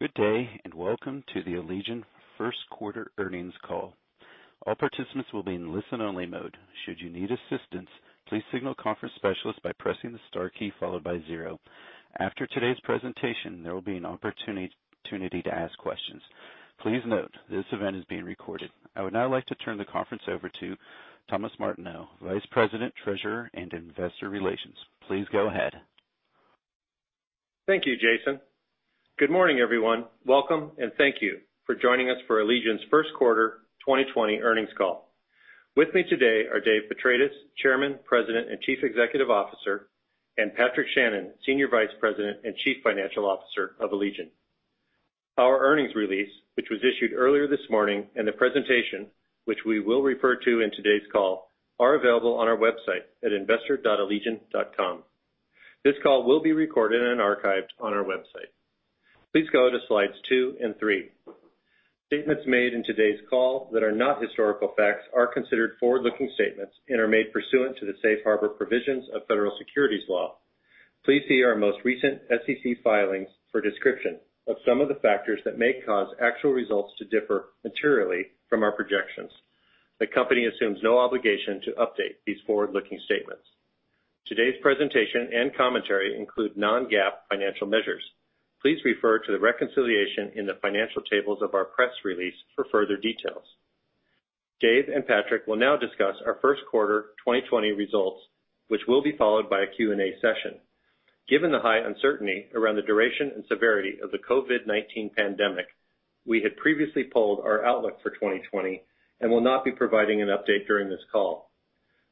Good day. Welcome to the Allegion first-quarter earnings call. All participants will be in listen-only mode. Should you need assistance, please signal conference specialist by pressing the star key followed by zero. After today's presentation, there will be an opportunity to ask questions. Please note, this event is being recorded. I would now like to turn the conference over to Tom Martineau, Vice President, Treasurer, and Investor Relations. Please go ahead. Thank you, Jason. Good morning, everyone. Welcome and thank you for joining us for Allegion's first quarter 2020 earnings call. With me today are Dave Petratis, Chairman, President, and Chief Executive Officer; and Patrick Shannon, Senior Vice President and Chief Financial Officer of Allegion. Our earnings release, which was issued earlier this morning, and the presentation, which we will refer to in today's call, are available on our website at investor.allegion.com. This call will be recorded and archived on our website. Please go to slides two and three. Statements made in today's call that are not historical facts are considered forward-looking statements and are made pursuant to the safe harbor provisions of federal securities law. Please see our most recent SEC filings for description of some of the factors that may cause actual results to differ materially from our projections. The company assumes no obligation to update these forward-looking statements. Today's presentation and commentary include non-GAAP financial measures. Please refer to the reconciliation in the financial tables of our press release for further details. Dave and Patrick will now discuss our first quarter 2020 results, which will be followed by a Q&A session. Given the high uncertainty around the duration and severity of the COVID-19 pandemic, we had previously pulled our outlook for 2020 and will not be providing an update during this call.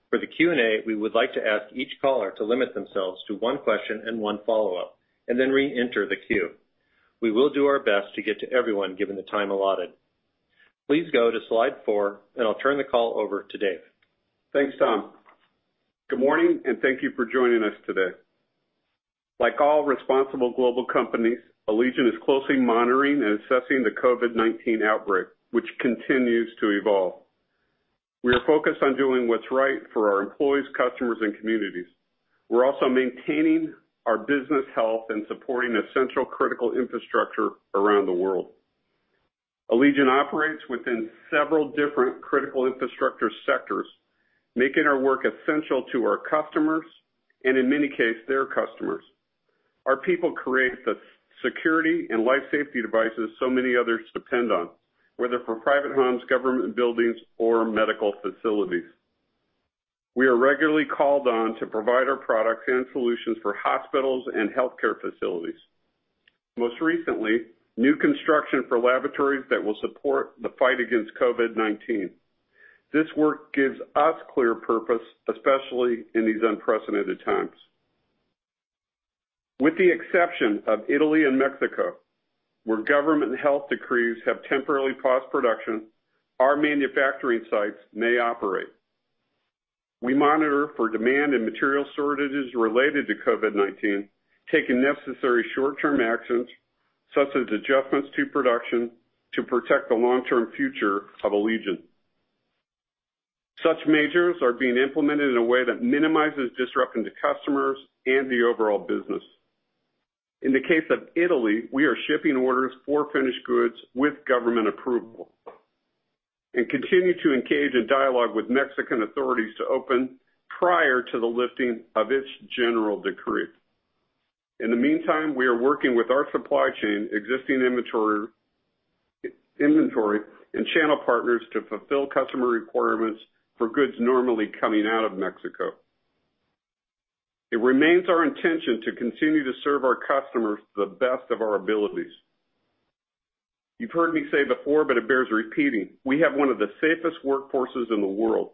For the Q&A, we would like to ask each caller to limit themselves to one question and one follow-up and then reenter the queue. We will do our best to get to everyone given the time allotted. Please go to slide four, and I'll turn the call over to Dave. Thanks, Tom. Good morning, and thank you for joining us today. Like all responsible global companies, Allegion is closely monitoring and assessing the COVID-19 outbreak, which continues to evolve. We are focused on doing what's right for our employees, customers, and communities. We're also maintaining our business health and supporting essential critical infrastructure around the world. Allegion operates within several different critical infrastructure sectors, making our work essential to our customers and, in many cases, their customers. Our people create the security and life safety devices so many others depend on, whether for private homes, government buildings, or medical facilities. We are regularly called on to provide our products and solutions for hospitals and healthcare facilities. Most recently, new construction for laboratories that will support the fight against COVID-19. This work gives us clear purpose, especially in these unprecedented times. With the exception of Italy and Mexico, where government health decrees have temporarily paused production, our manufacturing sites may operate. We monitor for demand and material shortages related to COVID-19, taking necessary short-term actions, such as adjustments to production to protect the long-term future of Allegion. Such measures are being implemented in a way that minimizes disrupting to customers and the overall business. In the case of Italy, we are shipping orders for finished goods with government approval and continue to engage in dialogue with Mexican authorities to open prior to the lifting of its general decree. In the meantime, we are working with our supply chain, existing inventory, and channel partners to fulfill customer requirements for goods normally coming out of Mexico. It remains our intention to continue to serve our customers to the best of our abilities. You've heard me say before, but it bears repeating. We have one of the safest workforces in the world.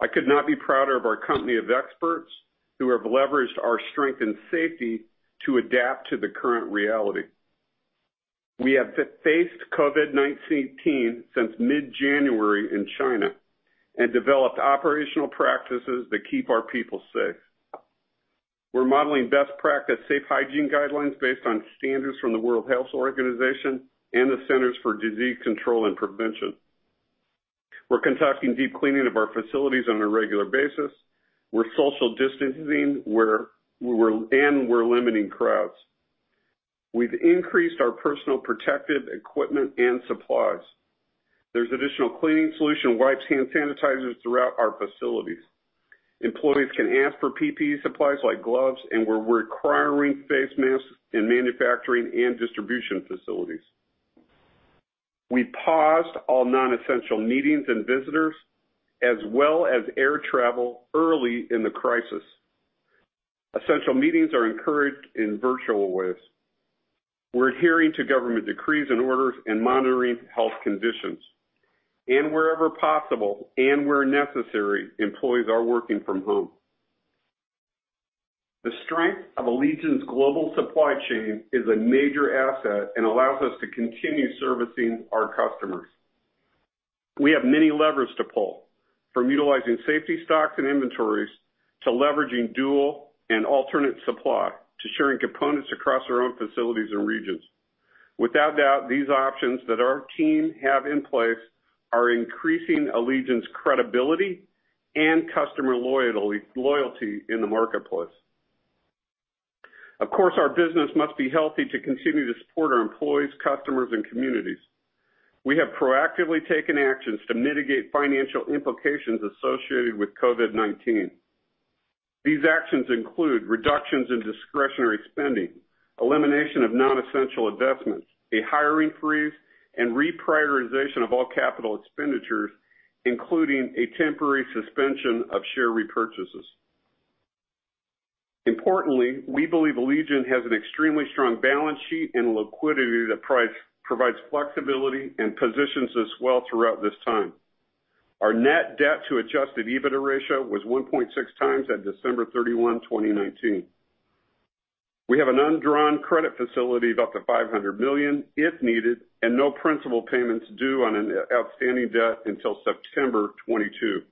I could not be prouder of our company of experts who have leveraged our strength and safety to adapt to the current reality. We have faced COVID-19 since mid-January in China and developed operational practices that keep our people safe. We're modeling best practice safe hygiene guidelines based on standards from the World Health Organization and the Centers for Disease Control and Prevention. We're conducting deep cleaning of our facilities on a regular basis. We're social distancing, and we're limiting crowds. We've increased our personal protective equipment and supplies. There's additional cleaning solution wipes, hand sanitizers throughout our facilities. Employees can ask for PPE supplies like gloves, and we're requiring face masks in manufacturing and distribution facilities. We paused all non-essential meetings and visitors as well as air travel early in the crisis. Essential meetings are encouraged in virtual ways. We're adhering to government decrees and orders and monitoring health conditions, and wherever possible and where necessary, employees are working from home. The strength of Allegion's global supply chain is a major asset and allows us to continue servicing our customers. We have many levers to pull, from utilizing safety stocks and inventories to leveraging dual and alternate supply to sharing components across our own facilities and regions. Without a doubt, these options that our team have in place are increasing Allegion's credibility and customer loyalty in the marketplace. Of course, our business must be healthy to continue to support our employees, customers, and communities. We have proactively taken actions to mitigate financial implications associated with COVID-19. These actions include reductions in discretionary spending, elimination of non-essential investments, a hiring freeze, and reprioritization of all capital expenditures, including a temporary suspension of share repurchases. Importantly, we believe Allegion has an extremely strong balance sheet and liquidity that provides flexibility and positions us well throughout this time. Our net debt to adjusted EBITDA ratio was 1.6x at December 31, 2019. We have an undrawn credit facility of up to $500 million if needed, and no principal payments due on outstanding debt until September 2022.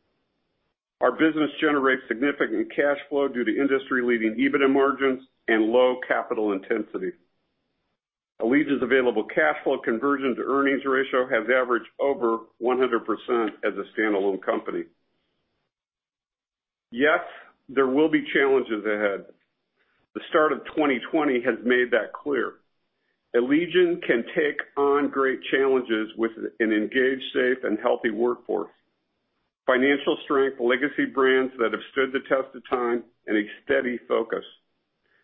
Our business generates significant cash flow due to industry-leading EBITDA margins and low capital intensity. Allegion's available cash flow conversion to earnings ratio has averaged over 100% as a standalone company. Yes, there will be challenges ahead. The start of 2020 has made that clear. Allegion can take on great challenges with an engaged, safe, and healthy workforce, financial strength, legacy brands that have stood the test of time, and a steady focus.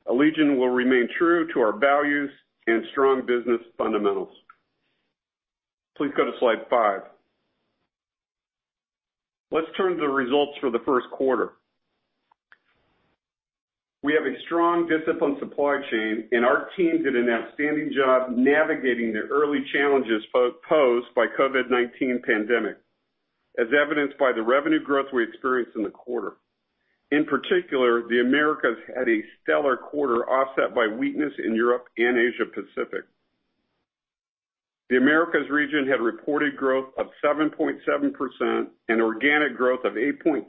Allegion will remain true to our values and strong business fundamentals. Please go to slide five. Let's turn to the results for the first quarter. We have a strong, disciplined supply chain, and our team did an outstanding job navigating the early challenges posed by COVID-19 pandemic, as evidenced by the revenue growth we experienced in the quarter. In particular, the Americas had a stellar quarter offset by weakness in Europe and Asia Pacific. The Americas region had reported growth of 7.7% and organic growth of 8.2%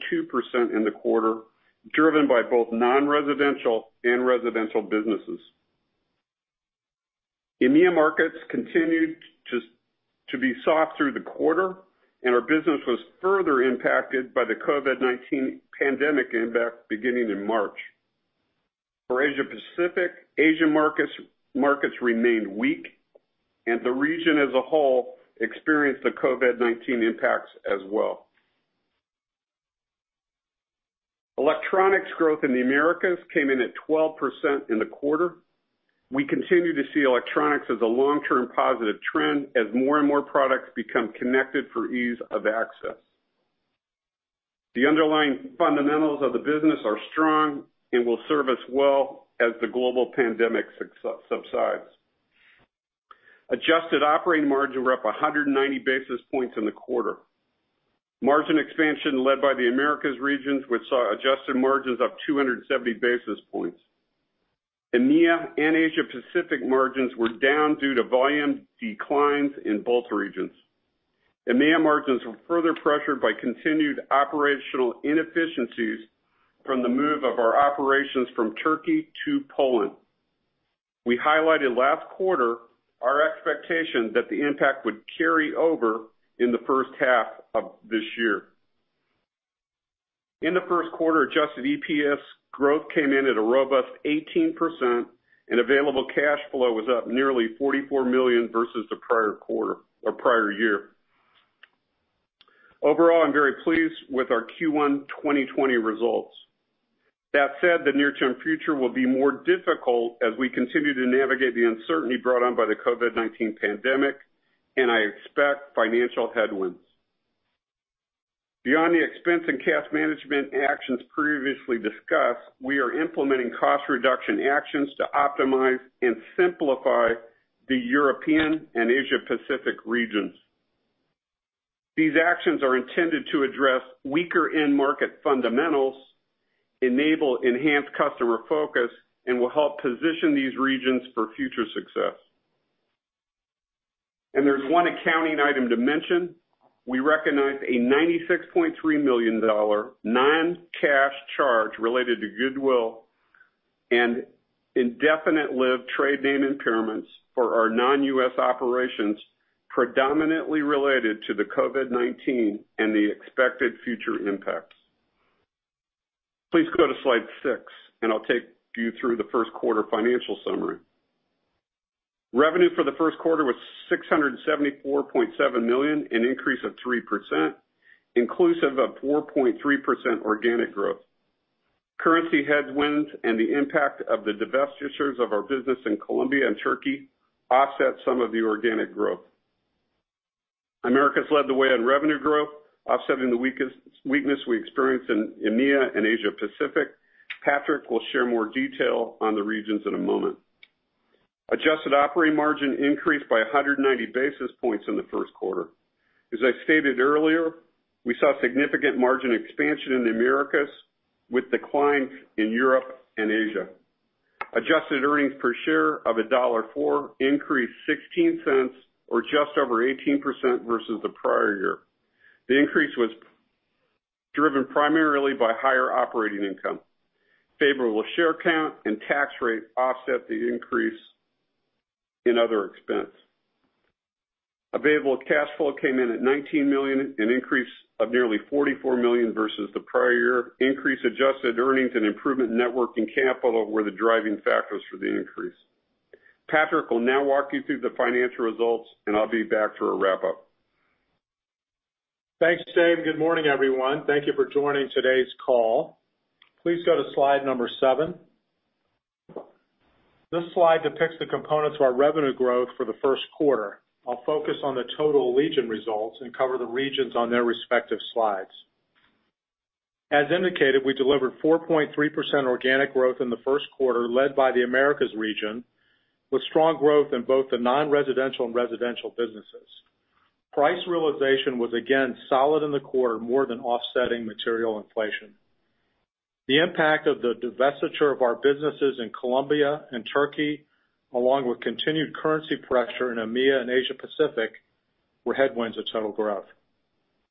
in the quarter, driven by both non-residential and residential businesses. EMEIA markets continued to be soft through the quarter, and our business was further impacted by the COVID-19 pandemic impact beginning in March. For Asia Pacific, Asia markets remained weak, and the region as a whole experienced the COVID-19 impacts as well. Electronics growth in the Americas came in at 12% in the quarter. We continue to see electronics as a long-term positive trend as more and more products become connected for ease of access. The underlying fundamentals of the business are strong and will serve us well as the global pandemic subsides. Adjusted operating margins were up 190 basis points in the quarter. Margin expansion led by the Americas regions, which saw adjusted margins up 270 basis points. EMEIA and Asia Pacific margins were down due to volume declines in both regions. EMEIA margins were further pressured by continued operational inefficiencies from the move of our operations from Turkey to Poland. We highlighted last quarter our expectation that the impact would carry over in the first half of this year. In the first quarter, adjusted EPS growth came in at a robust 18%, and available cash flow was up nearly $44 million versus the prior year. Overall, I'm very pleased with our Q1 2020 results. That said, the near-term future will be more difficult as we continue to navigate the uncertainty brought on by the COVID-19 pandemic, and I expect financial headwinds. Beyond the expense and cash management actions previously discussed, we are implementing cost reduction actions to optimize and simplify the European and Asia Pacific regions. These actions are intended to address weaker end market fundamentals, enable enhanced customer focus, and will help position these regions for future success. There's one accounting item to mention. We recognized a $96.3 million non-cash charge related to goodwill and indefinite-lived trade names impairments for our non-U.S. operations, predominantly related to the COVID-19 and the expected future impacts. Please go to slide six, and I'll take you through the first quarter financial summary. Revenue for the first quarter was $674.7 million, an increase of 3%, inclusive of 4.3% organic growth. Currency headwinds and the impact of the divestitures of our business in Colombia and Turkey offset some of the organic growth. Americas led the way on revenue growth, offsetting the weakness we experienced in EMEIA and Asia Pacific. Patrick will share more detail on the regions in a moment. Adjusted operating margin increased by 190 basis points in the first quarter. As I stated earlier, we saw significant margin expansion in the Americas with declines in Europe and Asia. Adjusted earnings per share of $1.04 increased $0.16 or just over 18% versus the prior year. The increase was driven primarily by higher operating income. Favorable share count and tax rate offset the increase in other expenses. Available cash flow came in at $19 million, an increase of nearly $44 million versus the prior year. Increased adjusted earnings and improvement net working capital were the driving factors for the increase. Patrick will now walk you through the financial results, and I'll be back for a wrap-up. Thanks, Dave. Good morning, everyone. Thank you for joining today's call. Please go to slide number seven. This slide depicts the components of our revenue growth for the first quarter. I'll focus on the total Allegion results and cover the regions on their respective slides. As indicated, we delivered 4.3% organic growth in the first quarter, led by the Americas region, with strong growth in both the non-residential and residential businesses. Price realization was again solid in the quarter, more than offsetting material inflation. The impact of the divestiture of our businesses in Colombia and Turkey, along with continued currency pressure in EMEIA and Asia Pacific, were headwinds of total growth.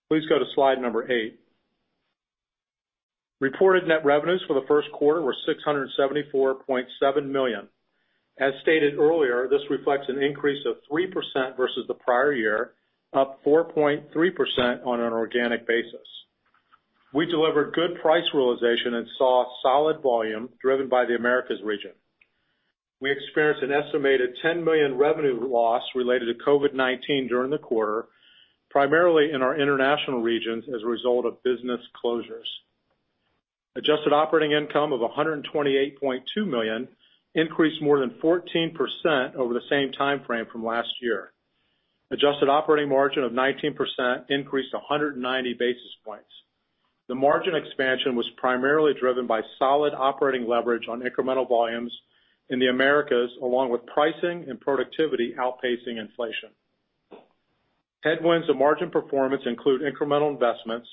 Please go to slide number eight. Reported net revenues for the first quarter were $674.7 million. As stated earlier, this reflects an increase of 3% versus the prior year, up 4.3% on an organic basis. We delivered good price realization and saw solid volume driven by the Americas region. We experienced an estimated $10 million revenue loss related to COVID-19 during the quarter, primarily in our international regions as a result of business closures. Adjusted operating income of $128.2 million increased more than 14% over the same timeframe from last year. Adjusted operating margin of 19% increased 190 basis points. The margin expansion was primarily driven by solid operating leverage on incremental volumes in the Americas, along with pricing and productivity outpacing inflation. Headwinds of margin performance include incremental investments,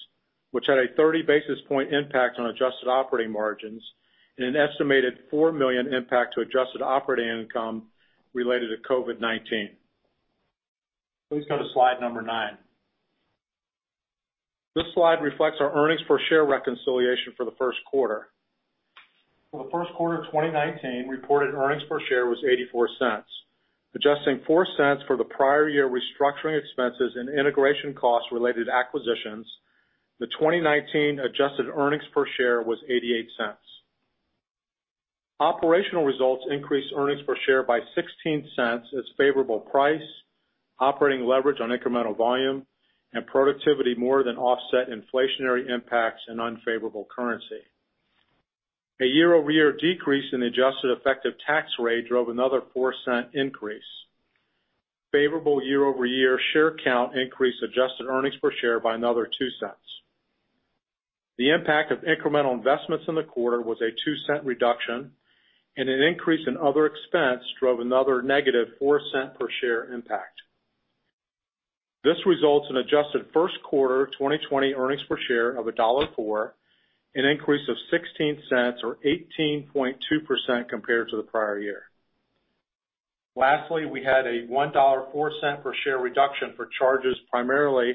which had a 30 basis point impact on adjusted operating margins and an estimated $4 million impact to adjusted operating income related to COVID-19. Please go to slide number 9. This slide reflects our earnings per share reconciliation for the first quarter. For the first quarter of 2019, reported earnings per share was $0.84. Adjusting $0.04 for the prior year restructuring expenses and integration costs related to acquisitions, the 2019 adjusted earnings per share was $0.88. Operational results increased earnings per share by $0.16 as favorable price, operating leverage on incremental volume, and productivity more than offset inflationary impacts and unfavorable currency. A year-over-year decrease in adjusted effective tax rate drove another $0.04 increase. Favorable year-over-year share count increased adjusted earnings per share by another $0.02. The impact of incremental investments in the quarter was a $0.02 reduction, and an increase in other expense drove another negative $0.04 per share impact. This results in adjusted first quarter 2020 earnings per share of $1.04, an increase of $0.16 or 18.2% compared to the prior year. Lastly, we had a $1.04 per share reduction for charges primarily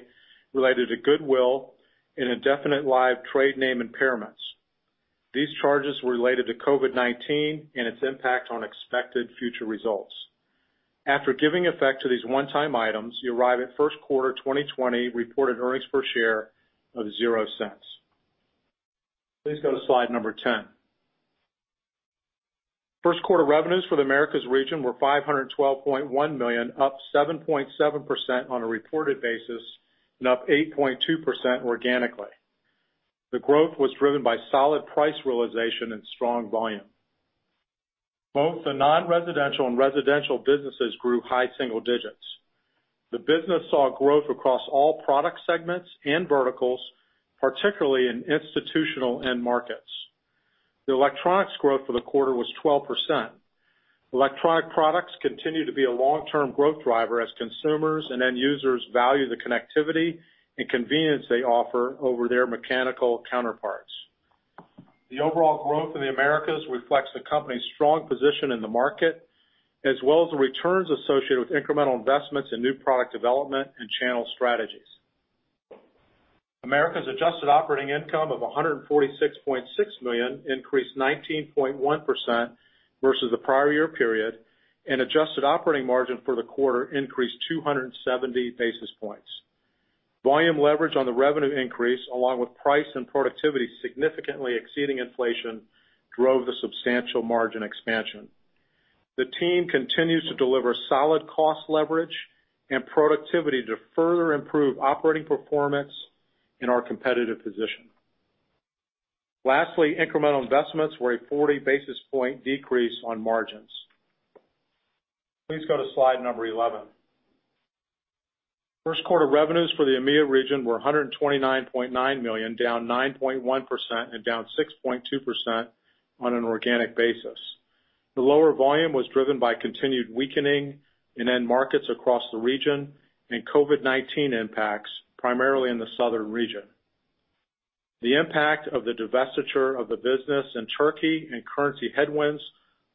related to goodwill in indefinite-lived trade name impairments. These charges were related to COVID-19 and its impact on expected future results. After giving effect to these one-time items, you arrive at first quarter 2020 reported earnings per share of $0.00. Please go to slide number 10. First quarter revenues for the Americas region were $512.1 million, up 7.7% on a reported basis and up 8.2% organically. The growth was driven by solid price realization and strong volume. Both the non-residential and residential businesses grew high single digits. The business saw growth across all product segments and verticals, particularly in institutional end markets. The electronics growth for the quarter was 12%. Electronic products continue to be a long-term growth driver as consumers and end users value the connectivity and convenience they offer over their mechanical counterparts. The overall growth in the Americas reflects the company's strong position in the market, as well as the returns associated with incremental investments in new product development and channel strategies. America's adjusted operating income of $146.6 million increased 19.1% versus the prior year period, and adjusted operating margin for the quarter increased 270 basis points. Volume leverage on the revenue increase, along with price and productivity significantly exceeding inflation, drove the substantial margin expansion. The team continues to deliver solid cost leverage and productivity to further improve operating performance in our competitive position. Lastly, incremental investments were a 40 basis point decrease on margins. Please go to slide number 11. First quarter revenues for the EMEIA region were $129.9 million, down 9.1% and down 6.2% on an organic basis. The lower volume was driven by continued weakening in end markets across the region and COVID-19 impacts, primarily in the southern region. The impact of the divestiture of the business in Turkey and currency headwinds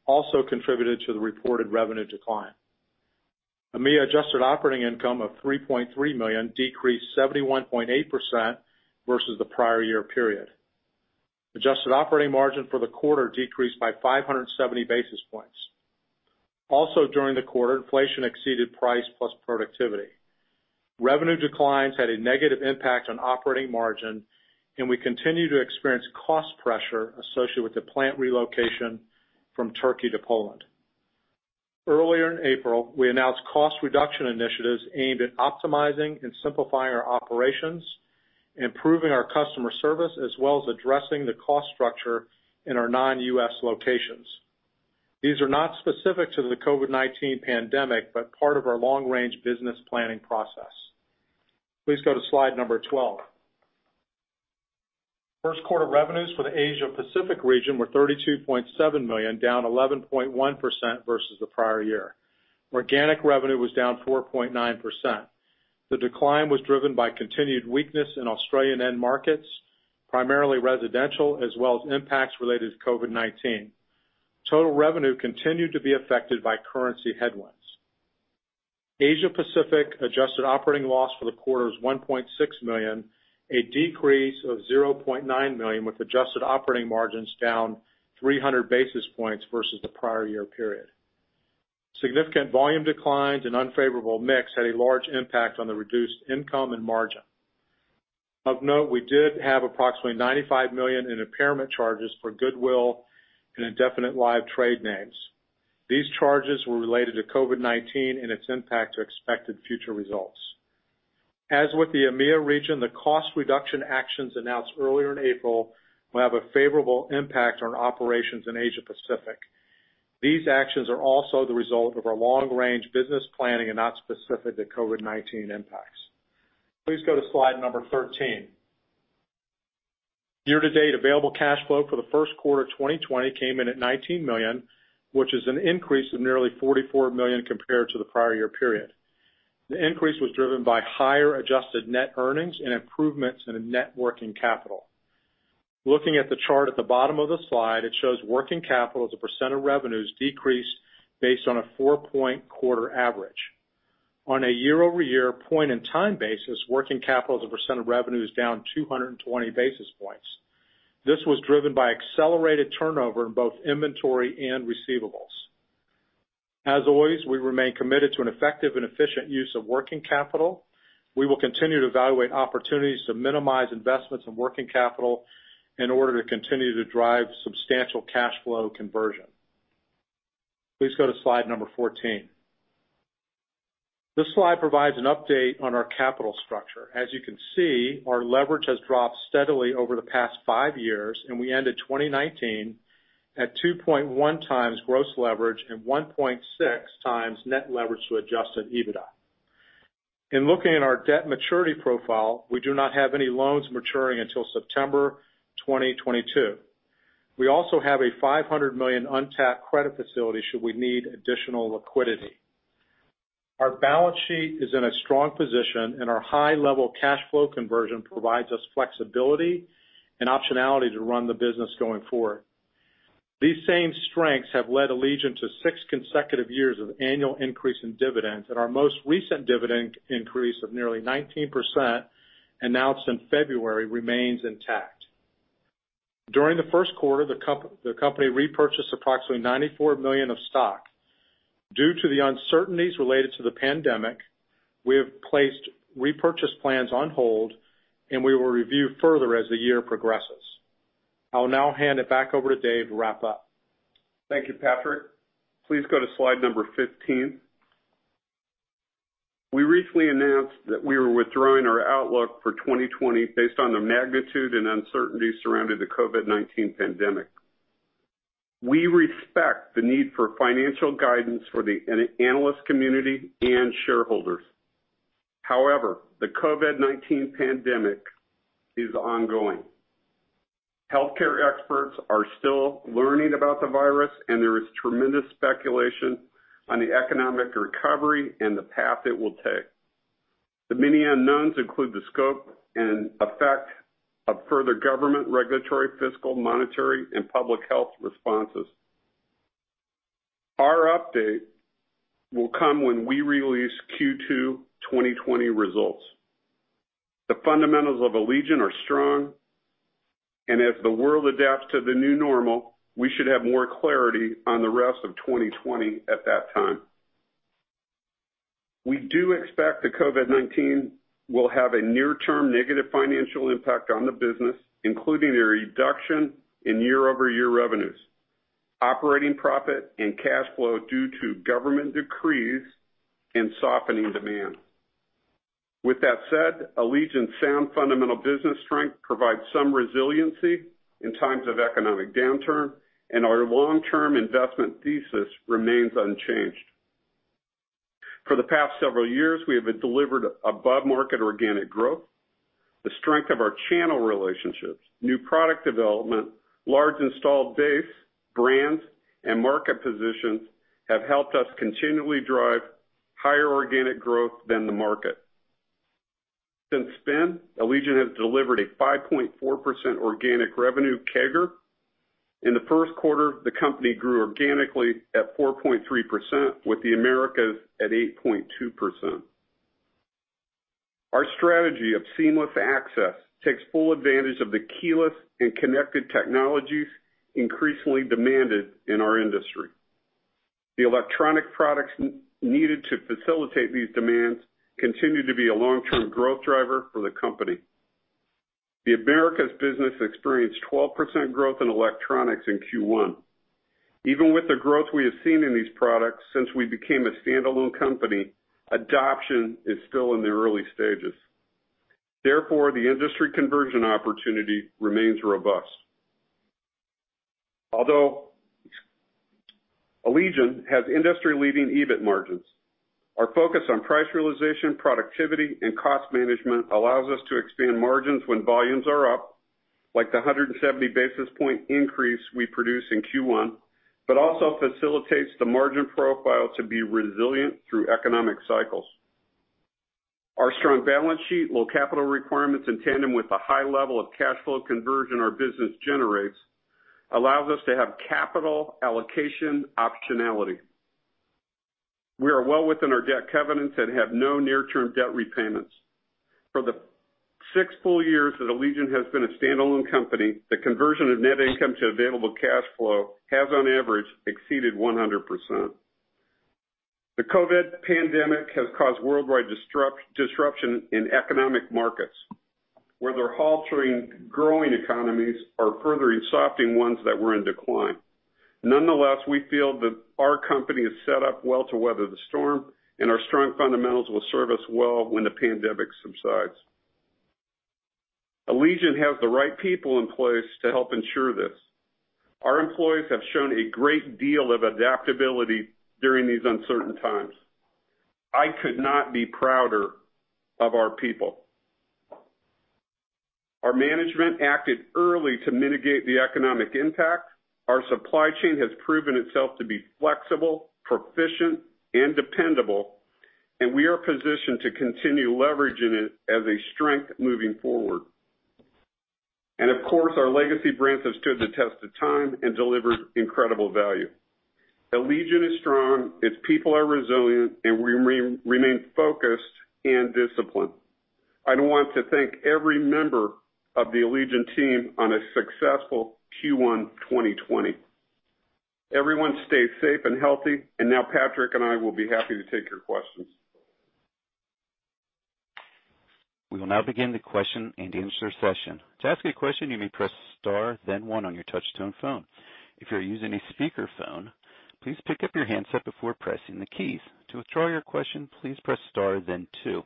also contributed to the reported revenue decline. EMEIA's adjusted operating income of $3.3 million decreased 71.8% versus the prior year period. Adjusted operating margin for the quarter decreased by 570 basis points. During the quarter, inflation exceeded price plus productivity. Revenue declines had a negative impact on operating margin, and we continue to experience cost pressure associated with the plant relocation from Turkey to Poland. Earlier in April, we announced cost reduction initiatives aimed at optimizing and simplifying our operations, improving our customer service, as well as addressing the cost structure in our non-U.S. locations. These are not specific to the COVID-19 pandemic but part of our long-range business planning process. Please go to slide number 12. First quarter revenues for the Asia Pacific region were $32.7 million, down 11.1% versus the prior year. Organic revenue was down 4.9%. The decline was driven by continued weakness in Australian end markets, primarily residential, as well as impacts related to COVID-19. Total revenue continued to be affected by currency headwinds. Asia Pacific's adjusted operating loss for the quarter was $1.6 million, a decrease of $0.9 million, with adjusted operating margins down 300 basis points versus the prior year period. Significant volume declines and unfavorable mix had a large impact on the reduced income and margin. Of note, we did have approximately $95 million in impairment charges for goodwill and indefinite live trade names. These charges were related to COVID-19 and its impact to expected future results. As with the EMEIA region, the cost reduction actions announced earlier in April will have a favorable impact on operations in Asia Pacific. These actions are also the result of our long-range business planning and not specific to COVID-19 impacts. Please go to slide number 13. Year-to-date available cash flow for the first quarter 2020 came in at $19 million, which is an increase of nearly $44 million compared to the prior year period. The increase was driven by higher adjusted net earnings and improvements in net working capital. Looking at the chart at the bottom of the slide, it shows working capital as a percent of revenues decreased based on a four-point quarter average. On a year-over-year point in time basis, working capital as a percent of revenue is down 220 basis points. This was driven by accelerated turnover in both inventory and receivables. As always, we remain committed to an effective and efficient use of working capital. We will continue to evaluate opportunities to minimize investments in working capital in order to continue to drive substantial cash flow conversion. Please go to slide number 14. This slide provides an update on our capital structure. As you can see, our leverage has dropped steadily over the past five years, and we ended 2019 at 2.1 times gross leverage and 1.6 times net leverage to adjusted EBITDA. In looking at our debt maturity profile, we do not have any loans maturing until September 2022. We also have a $500 million untapped credit facility should we need additional liquidity. Our balance sheet is in a strong position, and our high-level cash flow conversion provides us flexibility and optionality to run the business going forward. These same strengths have led Allegion to six consecutive years of annual increase in dividends, and our most recent dividend increase of nearly 19%, announced in February, remains intact. During the first quarter, the company repurchased approximately $94 million of stock. Due to the uncertainties related to the pandemic, we have placed repurchase plans on hold, and we will review further as the year progresses. I will now hand it back over to Dave to wrap up. Thank you, Patrick. Please go to slide number 15. We recently announced that we were withdrawing our outlook for 2020 based on the magnitude and uncertainty surrounding the COVID-19 pandemic. We respect the need for financial guidance for the analyst community and shareholders. However, the COVID-19 pandemic is ongoing. Healthcare experts are still learning about the virus, and there is tremendous speculation on the economic recovery and the path it will take. The many unknowns include the scope and effect of further government regulatory, fiscal, monetary, and public health responses. Our update will come when we release Q2 2020 results. The fundamentals of Allegion are strong, and as the world adapts to the new normal, we should have more clarity on the rest of 2020 at that time. We do expect that COVID-19 will have a near-term negative financial impact on the business, including a reduction in year-over-year revenues, operating profit, and cash flow due to government decrees and softening demand. With that said, Allegion's sound fundamental business strength provides some resiliency in times of economic downturn, and our long-term investment thesis remains unchanged. For the past several years, we have delivered above-market organic growth. The strength of our channel relationships; new product development; large installed base; brands; and market positions have helped us continually drive higher organic growth than the market. Since then, Allegion has delivered a 5.4% organic revenue CAGR. In the first quarter, the company grew organically at 4.3%, with the Americas at 8.2%. Our strategy of seamless access takes full advantage of the keyless and connected technologies increasingly demanded in our industry. The electronic products needed to facilitate these demands continue to be a long-term growth driver for the company. The Americas' business experienced 12% growth in electronics in Q1. Even with the growth we have seen in these products since we became a standalone company, adoption is still in the early stages. The industry conversion opportunity remains robust. Although Allegion has industry-leading EBIT margins, our focus on price realization, productivity, and cost management allows us to expand margins when volumes are up, like the 170 basis point increase we produced in Q1, but also facilitates the margin profile to be resilient through economic cycles. Our strong balance sheet, low capital requirements, in tandem with the high level of cash flow conversion our business generates, allows us to have capital allocation optionality. We are well within our debt covenants and have no near-term debt repayments. For the six full years that Allegion has been a standalone company, the conversion of net income to available cash flow has on average exceeded 100%. The COVID pandemic has caused worldwide disruption in economic markets, whether halting growing economies or further softening ones that were in decline. Nonetheless, we feel that our company is set up well to weather the storm, and our strong fundamentals will serve us well when the pandemic subsides. Allegion has the right people in place to help ensure this. Our employees have shown a great deal of adaptability during these uncertain times. I could not be prouder of our people. Our management acted early to mitigate the economic impact. Our supply chain has proven itself to be flexible, proficient, and dependable, and we are positioned to continue leveraging it as a strength moving forward. Of course, our legacy brands have stood the test of time and delivered incredible value. Allegion is strong, its people are resilient, and we remain focused and disciplined. I want to thank every member of the Allegion team on a successful Q1 2020. Everyone stay safe and healthy. Now Patrick and I will be happy to take your questions. We will now begin the question and answer session. To ask a question, you may press star then one on your touch-tone phone. If you're using a speakerphone, please pick up your handset before pressing the keys. To withdraw your question, please press star then two.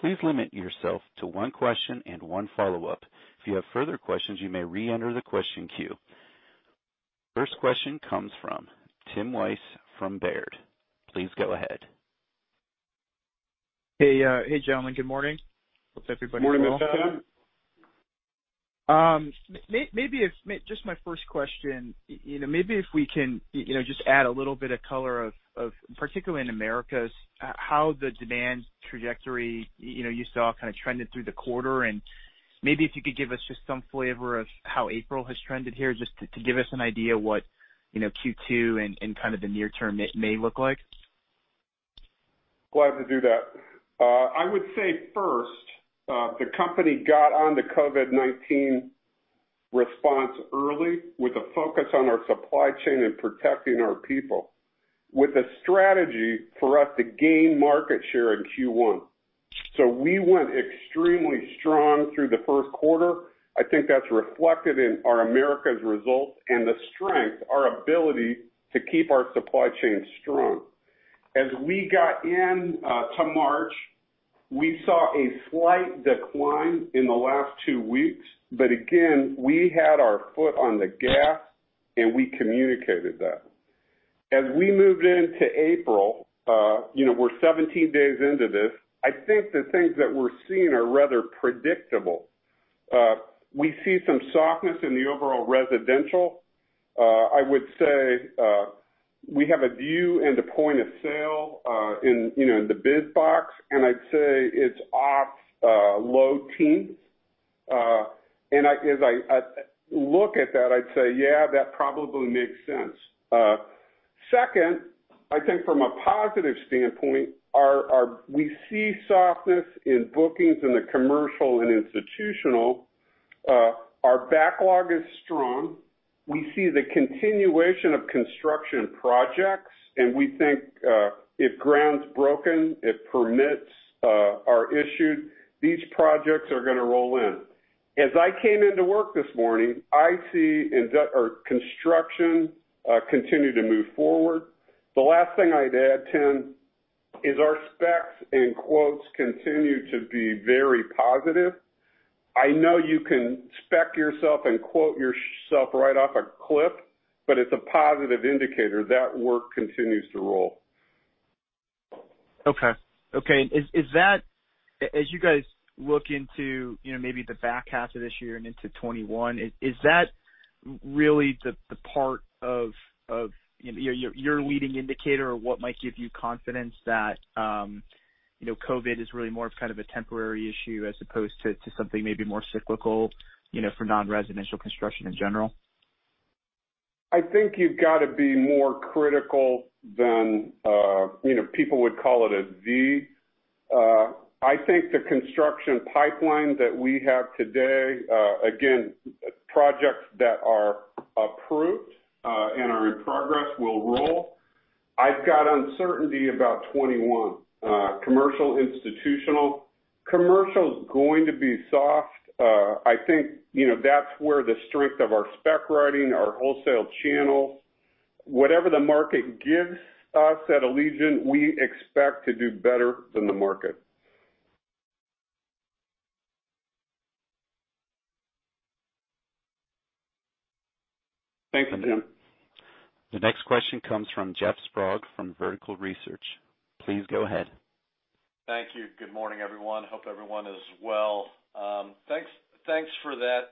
Please limit yourself to one question and one follow-up. If you have further questions, you may re-enter the question queue. First question comes from Tim Wojs from Baird. Please go ahead. Hey, gentlemen, good morning. Hope everybody is well. Morning to you, Tim. Just my first question. If we can just add a little bit of color of, particularly in Americas, how the demand trajectory you saw kind of trended through the quarter and if you could give us just some flavor of how April has trended here, just to give us an idea of what Q2 and kind of the near term may look like. Glad to do that. I would say first, the company got on the COVID-19 response early with a focus on our supply chain and protecting our people, with a strategy for us to gain market share in Q1. We went extremely strong through the first quarter. I think that's reflected in our Americas results and the strength, our ability to keep our supply chain strong. As we got into March, we saw a slight decline in the last two weeks, but again, we had our foot on the gas, and we communicated that. As we moved into April, we're 17 days into this, I think the things that we're seeing are rather predictable. We see some softness in the overall residential. I would say we have a view and a point of sale in the bid box, and I'd say it's off low teens. As I look at that, I'd say, yeah, that probably makes sense. Second, I think from a positive standpoint, we see softness in bookings in the commercial and institutional. Our backlog is strong. We see the continuation of construction projects, and we think if ground's broken, if permits are issued, these projects are going to roll in. As I came into work this morning, I see construction continue to move forward. The last thing I'd add, Tim, is our specs and quotes continue to be very positive. I know you can spec yourself and quote yourself right off a clip, but it's a positive indicator. That work continues to roll. Okay. As you guys look into maybe the back half of this year and into 2021, is that really the part of your leading indicator or what might give you confidence that COVID-19 is really more of kind of a temporary issue as opposed to something maybe more cyclical for nonresidential construction in general? I think you've got to be more critical than people would call it a V. I think the construction pipeline that we have today, again, projects that are approved and are in progress will roll. I've got uncertainty about 2021. Commercial, institutional. Commercial is going to be soft. I think that's where the strength of our spec writing, our wholesale channels. Whatever the market gives us at Allegion, we expect to do better than the market. Thank you, Tim. The next question comes from Jeff Sprague from Vertical Research. Please go ahead. Thank you. Good morning, everyone. Hope everyone is well. Thanks for that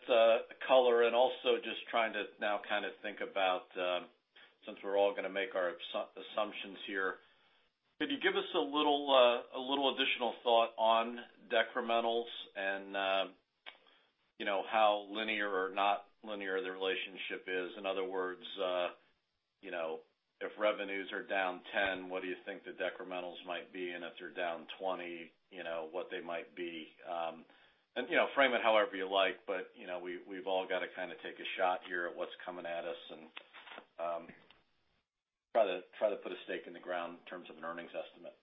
color, and also just trying to now kind of think about, since we're all going to make our assumptions here, could you give us a little additional thought on decrementals and how linear or not linear the relationship is? In other words, if revenues are down 10%, what do you think the decrementals might be, and if they're down 20%, what they might be? Frame it however you like, but we've all got to kind of take a shot here at what's coming at us and try to put a stake in the ground in terms of an earnings estimate.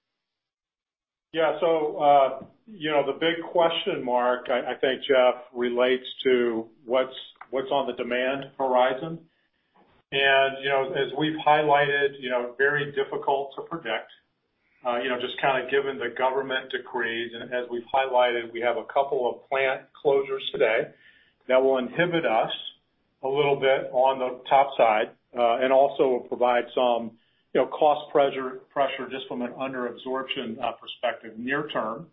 The big question mark, I think, Jeff, relates to what's on the demand horizon. As we've highlighted, very difficult to predict, just kind of given the government decrees. As we've highlighted, we have a couple of plant closures today that will inhibit us a little bit on the top side and also will provide some cost pressure just from an under-absorption perspective near term.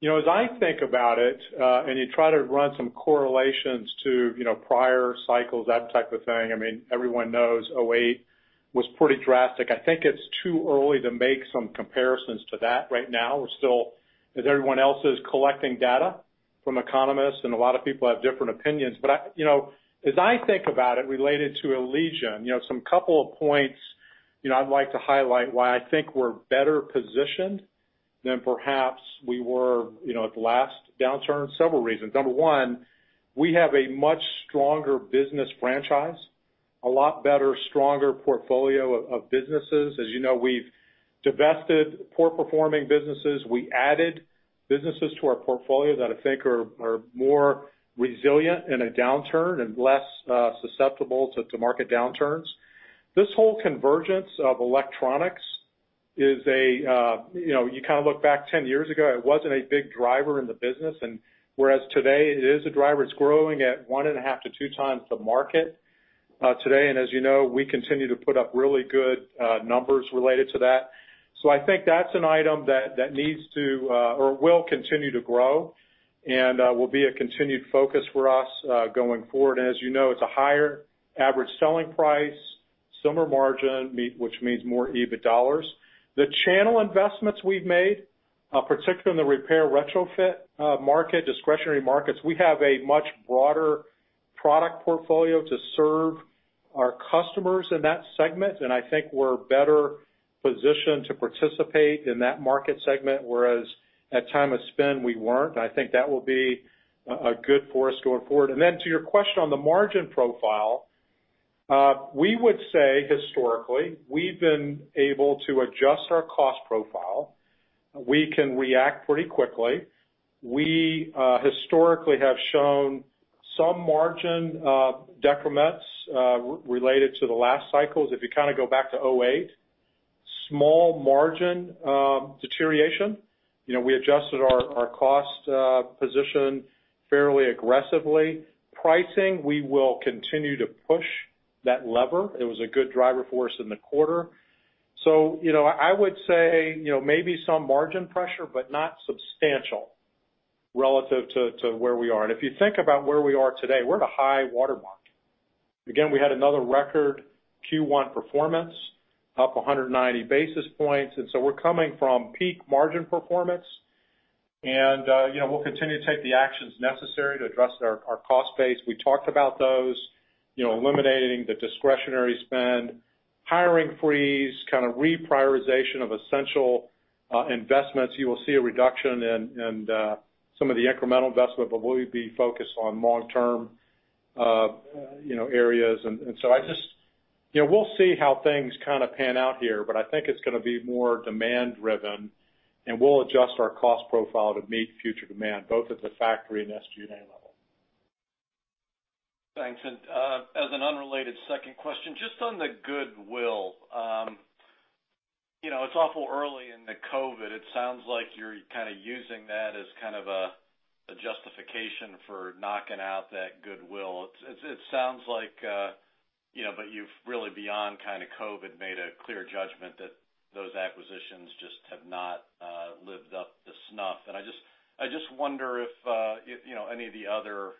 As I think about it, and you try to run some correlations to prior cycles, that type of thing—everyone knows '08 was pretty drastic. I think it's too early to make some comparisons to that right now. We're still, as everyone else is, collecting data from economists, and a lot of people have different opinions. As I think about it related to Allegion, some couple of points I'd like to highlight why I think we're better positioned than perhaps we were at the last downturn. Several reasons. Number one, we have a much stronger business franchise, a lot better, stronger portfolio of businesses. As you know, we've divested poor-performing businesses. We added businesses to our portfolio that I think are more resilient in a downturn and less susceptible to market downturns. This whole convergence of electronics is, you kind of look back 10 years ago, wasn't a big driver in the business, and whereas today it is a driver. It's growing at 1.5-2 times the market today. As you know, we continue to put up really good numbers related to that. I think that's an item that needs to, or will continue to grow and will be a continued focus for us going forward. As you know, it's a higher average selling price, similar margin, which means more EBIT dollars. The channel investments we've made, particularly in the repair retrofit market, discretionary markets, we have a much broader product portfolio to serve our customers in that segment, and I think we're better positioned to participate in that market segment, whereas at time of spend, we weren't. I think that will be good for us going forward. To your question on the margin profile, we would say historically, we've been able to adjust our cost profile. We can react pretty quickly. We historically have shown some margin decrements related to the last cycles. If you kind of go back to 2008, small margin deterioration. We adjusted our cost position fairly aggressively. Pricing: we will continue to push that lever. It was a good driver for us in the quarter. I would say maybe some margin pressure, but not substantial relative to where we are. If you think about where we are today, we're at a high water mark. Again, we had another record Q1 performance, up 190 basis points. We're coming from peak margin performance, and we'll continue to take the actions necessary to address our cost base. We talked about those, eliminating the discretionary spend, hiring freeze, kind of reprioritization of essential investments. You will see a reduction in some of the incremental investment, but we'll be focused on long-term areas. We'll see how things kind of pan out here, but I think it's going to be more demand driven, and we'll adjust our cost profile to meet future demand, both at the factory and SG&A level. Thanks. As an unrelated second question, just on the goodwill. It's awful early in the COVID. It sounds like you're kind of using that as kind of a justification for knocking out that goodwill. It sounds like you've really, beyond kind of COVID, made a clear judgment that those acquisitions just have not lived up to snuff. I just wonder if any of the other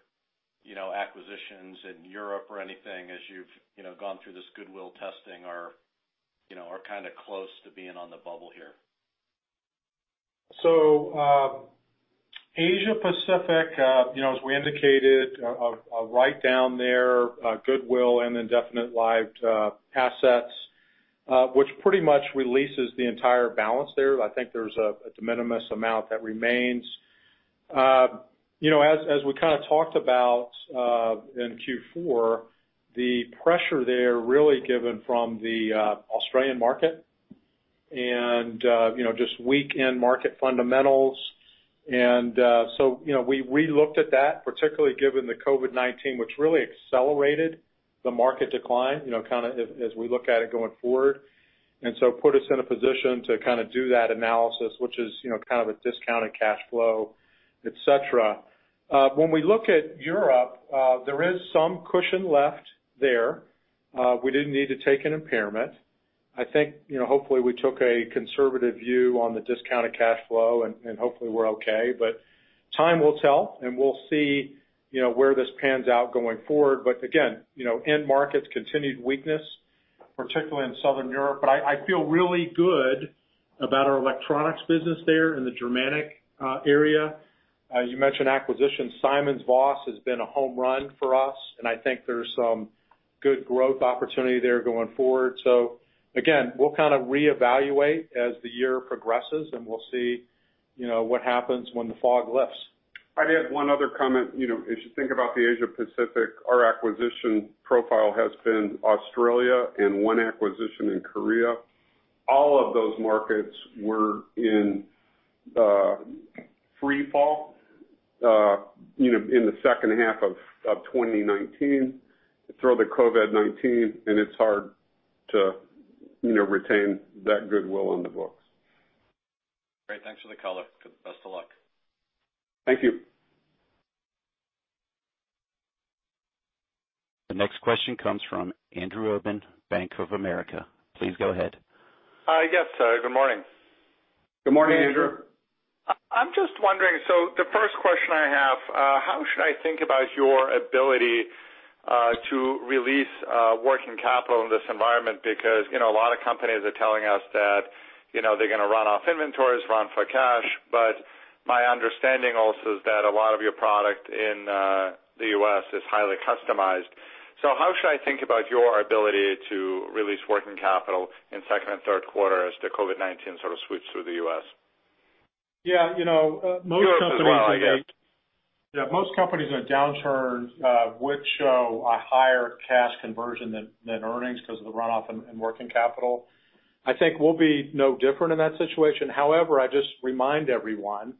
acquisitions in Europe or anything as you've gone through this goodwill testing are kind of close to being on the bubble here? Asia Pacific, as we indicated, a write-down there, goodwill, and indefinite-lived assets, which pretty much releases the entire balance there. I think there's a de minimis amount that remains. As we kind of talked about in Q4, the pressure there really given from the Australian market and just weak end-market fundamentals. We looked at that, particularly given the COVID-19, which really accelerated the market decline as we look at it going forward. Put us in a position to do that analysis, which is kind of a discounted cash flow, et cetera. When we look at Europe, there is some cushion left there. We didn't need to take an impairment. I think hopefully we took a conservative view on the discounted cash flow, and hopefully we're okay, but time will tell, and we'll see where this pans out going forward. Again, end markets' continued weakness, particularly in Southern Europe. I feel really good about our electronics business there in the Germanic area. You mentioned acquisitions. SimonsVoss has been a home run for us, and I think there's some good growth opportunity there going forward. Again, we'll kind of reevaluate as the year progresses, and we'll see what happens when the fog lifts. I'd add one other comment. As you think about the Asia Pacific, our acquisition profile has been Australia and one acquisition in Korea. All of those markets were in free fall in the second half of 2019. Throw the COVID-19, and it's hard to retain that goodwill on the books. Great. Thanks for the color. Best of luck. Thank you. The next question comes from Andrew Obin, Bank of America. Please go ahead. Yes, good morning. Good morning, Andrew. I'm just wondering, so the first question I have is, how should I think about your ability to release working capital in this environment? Because a lot of companies are telling us that they're going to run off inventories, run for cash. My understanding also is that a lot of your product in the U.S. is highly customized. How should I think about your ability to release working capital in second and third quarters as the COVID-19 sort of sweeps through the U.S.? Europe as well, I guess. Most companies in a downturn would show a higher cash conversion than earnings because of the runoff in working capital. I think we'll be no different in that situation. However, I just remind everyone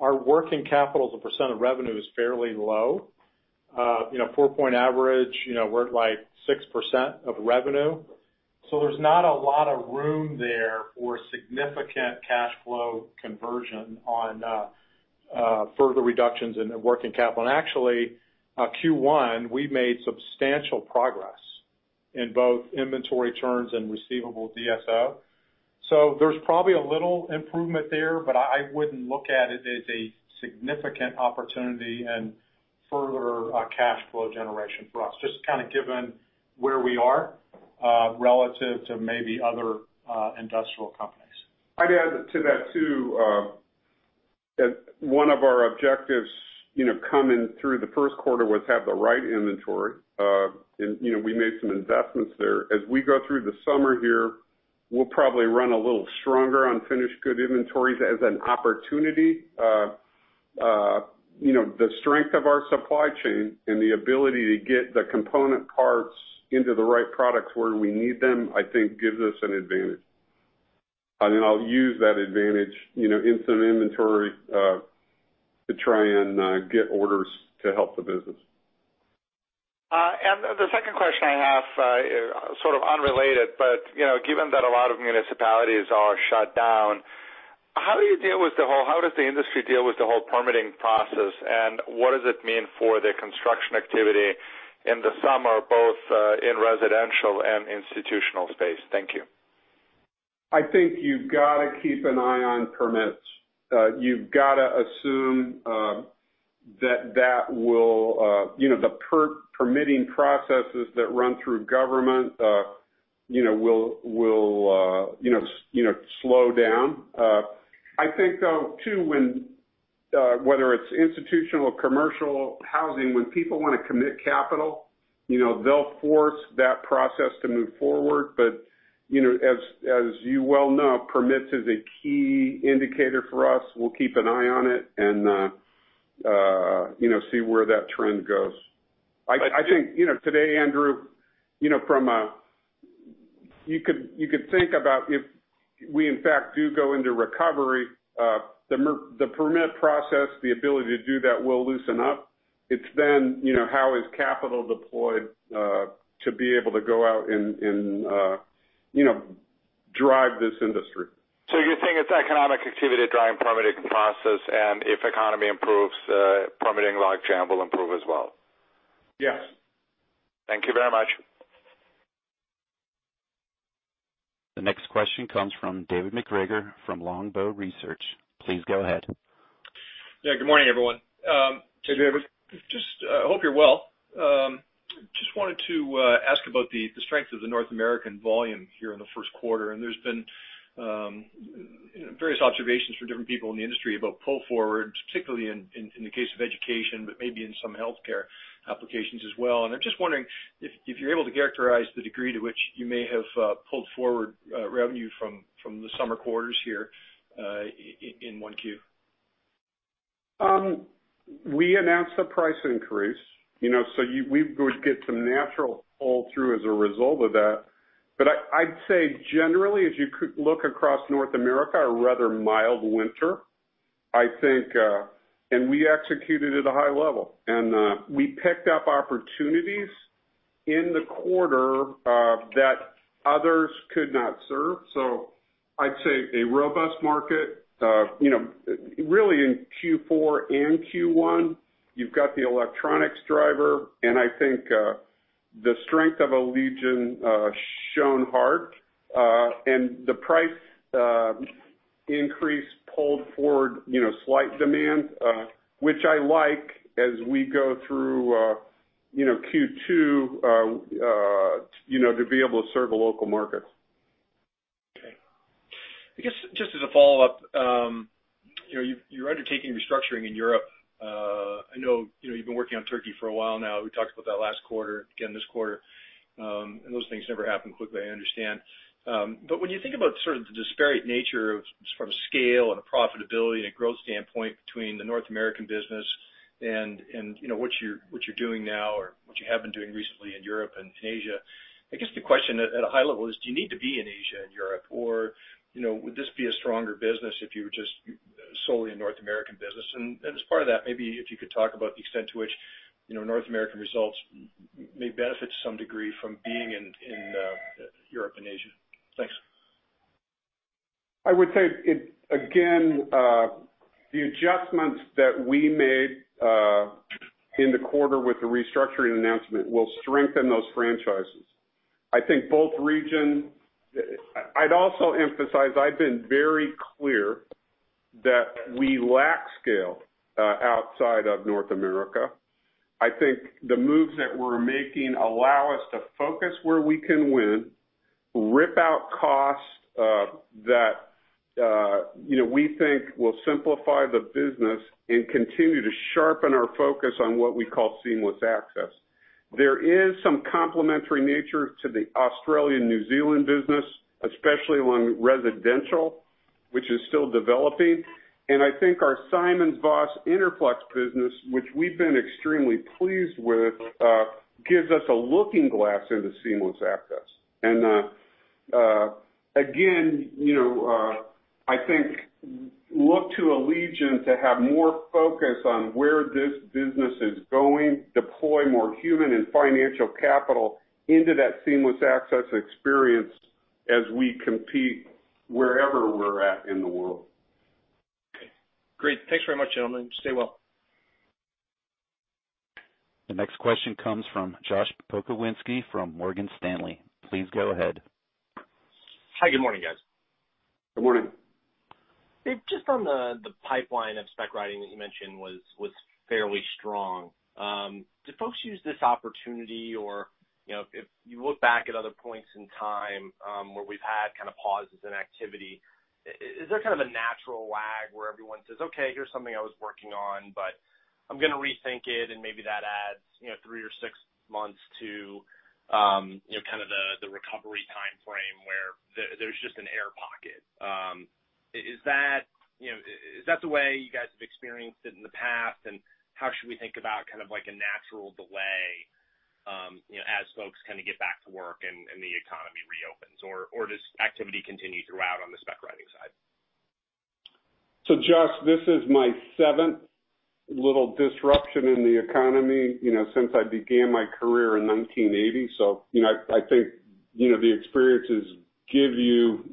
our working capital as a % of revenue is fairly low. 4-point average, we're at 6% of revenue. There's not a lot of room there for significant cash flow conversion on further reductions in working capital. Actually, Q1, we made substantial progress in both inventory turns and receivable DSO. There's probably a little improvement there, but I wouldn't look at it as a significant opportunity and further cash flow generation for us, just kind of given where we are relative to maybe other industrial companies. I'd add to that, too, that one of our objectives coming through the first quarter was have the right inventory. We made some investments there. As we go through the summer here, we'll probably run a little stronger on finished goods inventories as an opportunity. The strength of our supply chain and the ability to get the component parts into the right products where we need them, I think, gives us an advantage. I'll use that advantage in some inventory to try and get orders to help the business. The second question I have, sort of unrelated, but given that a lot of municipalities are shut down, how does the industry deal with the whole permitting process, and what does it mean for the construction activity in the summer, both in residential and institutional space? Thank you. I think you've got to keep an eye on permits. You've got to assume that the permitting processes that run through government will slow down. I think, though, too, whether it's institutional or commercial housing, when people want to commit capital, they'll force that process to move forward. As you well know, permits is a key indicator for us. We'll keep an eye on it and see where that trend goes. I think today, Andrew, you could think about if we in fact do go into recovery, the permit process, the ability to do that will loosen up. It's then, how is capital deployed to be able to go out and drive this industry? You're saying it's economic activity driving permitting process, and if economy improves, permitting logjam will improve as well? Yes. Thank you very much. The next question comes from David MacGregor from Longbow Research. Please go ahead. Yeah. Good morning, everyone. Good morning. Just hope you're well. Just wanted to ask about the strength of the North American volume here in the first quarter, and there's been various observations from different people in the industry about pull-forward, particularly in the case of education, but maybe in some healthcare applications as well. I'm just wondering if you're able to characterize the degree to which you may have pulled forward revenue from the summer quarters here in 1Q. We announced a price increase. We would get some natural pull-through as a result of that. I'd say generally, as you look across North America, a rather mild winter, I think, and we executed at a high level. We picked up opportunities in the quarter that others could not serve. I'd say a robust market. Really in Q4 and Q1, you've got the electronics driver, and I think the strength of Allegion shone hard. The price increase pulled forward slight demand, which I like as we go through Q2, to be able to serve the local market. Okay. I guess just as a follow-up, you're undertaking restructuring in Europe. I know you've been working on Turkey for a while now. We talked about that last quarter, again this quarter; those things never happen quickly, I understand. When you think about sort of the disparate nature from a scale and a profitability and a growth standpoint between the North American business and what you're doing now or what you have been doing recently in Europe and Asia, I guess the question at a high level is, do you need to be in Asia and Europe, or would this be a stronger business if you were just solely a North American business? As part of that, maybe if you could talk about the extent to which North American results may benefit to some degree from being in Europe and Asia. Thanks. I would say, again, the adjustments that we made in the quarter with the restructuring announcement will strengthen those franchises. I think both regions-- I'd also emphasize I've been very clear that we lack scale outside of North America. I think the moves that we're making allow us to focus where we can win, rip out costs that we think will simplify the business and continue to sharpen our focus on what we call seamless access. There is some complementary nature to the Australian/New Zealand business, especially along residential, which is still developing. I think our SimonsVoss Interflex business, which we've been extremely pleased with, gives us a looking glass into seamless access. Again, I think, look to Allegion to have more focus on where this business is going, deploy more human and financial capital into that seamless access experience as we compete wherever we're at in the world. Okay. Great. Thanks very much, gentlemen. Stay well. The next question comes from Joshua Pokrzywinski from Morgan Stanley. Please go ahead. Hi, good morning, guys. Good morning. Dave, just on the pipeline of spec writing that you mentioned was fairly strong. Do folks use this opportunity, or, if you look back at other points in time where we've had kind of pauses in activity, is there kind of a natural lag where everyone says, "Okay, here's something I was working on, but I'm gonna rethink it," and maybe that adds three or six months to kind of the recovery timeframe where there's just an air pocket? Is that the way you guys have experienced it in the past? How should we think about kind of like a natural delay as folks kind of get back to work and the economy reopens? Does activity continue throughout on the spec-writing side? Josh, this is my seventh little disruption in the economy since I began my career in 1980, so I think the experiences give you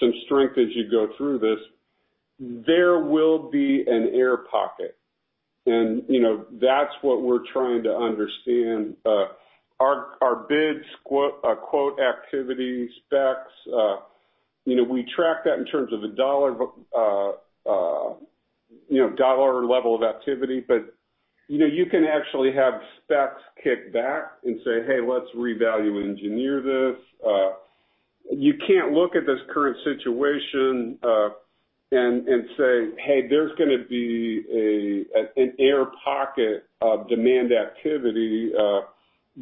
some strength as you go through this. There will be an air pocket; that's what we're trying to understand. Our bids, quote activity, specs—we track that in terms of the dollar level of activity. You can actually have specs kick back and say, "Hey, let's revalue engineer this." You can't look at this current situation and say, "Hey, there's going to be an air pocket of demand activity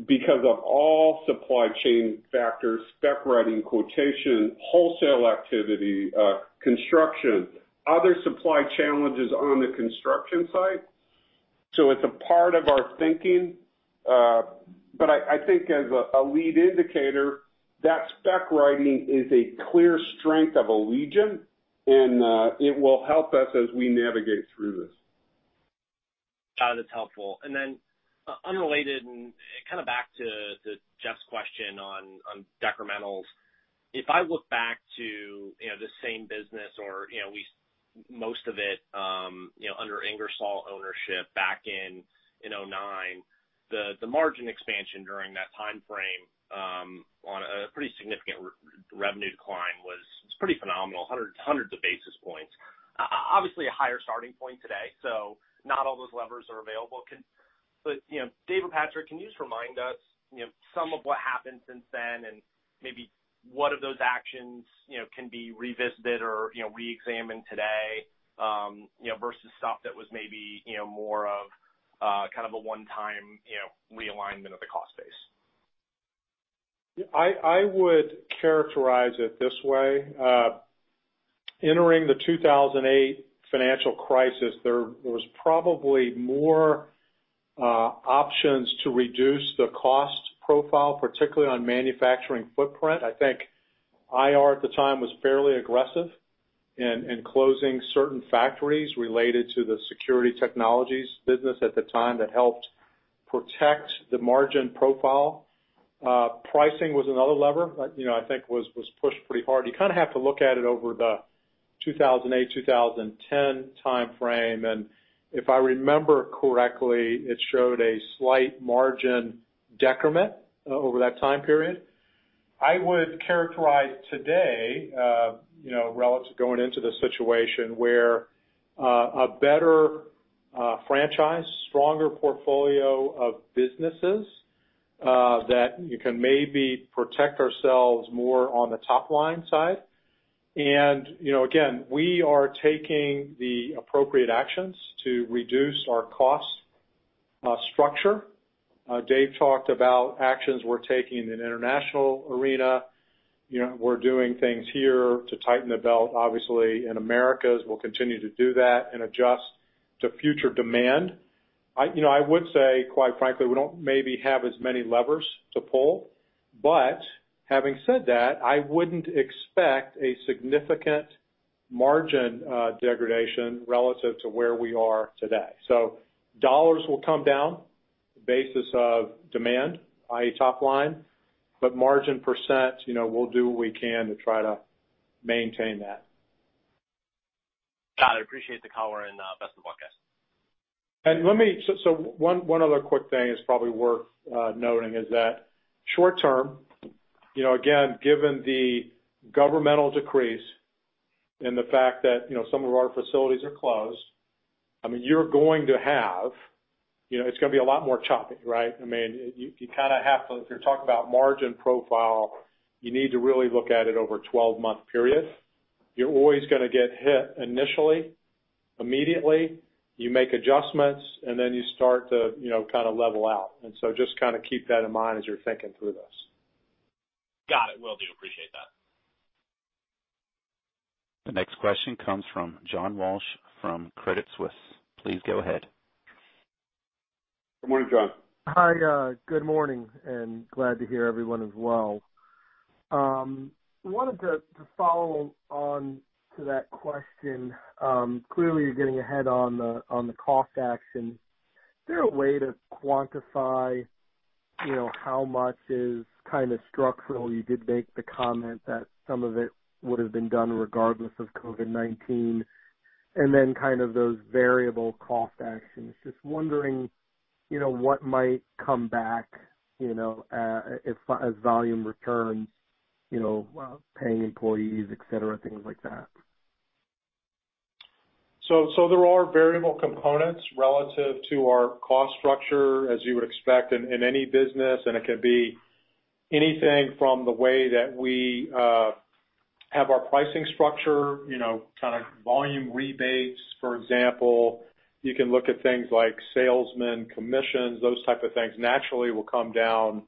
because of all supply chain factors, spec writing, quotation, wholesale activity, construction, other supply challenges on the construction site. "It's a part of our thinking. I think as a lead indicator, that spec writing is a clear strength of Allegion, and it will help us as we navigate through this. Got it. That's helpful. Unrelated and kind of back to Jeff's question on decrementals. If I look back to the same business or most of it under Ingersoll ownership back in 2009, The margin expansion during that timeframe on a pretty significant revenue decline was pretty phenomenal, hundreds of basis points. Obviously, a higher starting point today, not all those levers are available. Dave or Patrick, can you just remind us some of what happened since then and maybe what of those actions can be revisited or re-examined today versus stuff that was maybe more of a one-time realignment of the cost base? I would characterize it this way. Entering the 2008 financial crisis, there was probably more options to reduce the cost profile, particularly on the manufacturing footprint. I think IR at the time was fairly aggressive in closing certain factories related to the security technologies business at the time. That helped protect the margin profile. Pricing was another lever, I think was pushed pretty hard. You kind of have to look at it over the 2008-2010 timeframe, and if I remember correctly, it showed a slight margin decrement over that time period. I would characterize today, relative to going into this situation where a better franchise, stronger portfolio of businesses, that you can maybe protect ourselves more on the top-line side. Again, we are taking the appropriate actions to reduce our cost structure. Dave talked about actions we're taking in the international arena. We're doing things here to tighten the belt, obviously, in America. We'll continue to do that and adjust to future demand. Having said that, I wouldn't expect a significant margin degradation relative to where we are today. Dollars will come down basis of demand, i.e., top line, but margin percent, we'll do what we can to try to maintain that. Got it. Appreciate the color and best of luck guys. One other quick thing is probably worth noting is that short term, again, given the governmental decrees and the fact that some of our facilities are closed, it's going to be a lot more choppy, right? If you're talking about margin profile, you need to really look at it over a 12-month period. You're always going to get hit initially, immediately. You make adjustments, and then you start to kind of level out. Just kind of keep that in mind as you're thinking through this. Got it. Will do. Appreciate that. The next question comes from John Walsh from Credit Suisse. Please go ahead. Good morning, John. Hi, good morning. Glad to hear everyone is well. Wanted to follow on to that question. Clearly, you're getting ahead on the cost action. Is there a way to quantify how much is kind of structural? You did make the comment that some of it would've been done regardless of COVID-19, and then kind of those variable cost actions. Just wondering what might come back as volume returns, paying employees, et cetera, things like that. There are variable components relative to our cost structure, as you would expect in any business. It could be anything from the way that we have our pricing structure, kind of volume rebates, for example. You can look at things like salesmen's commissions. Those types of things naturally will come down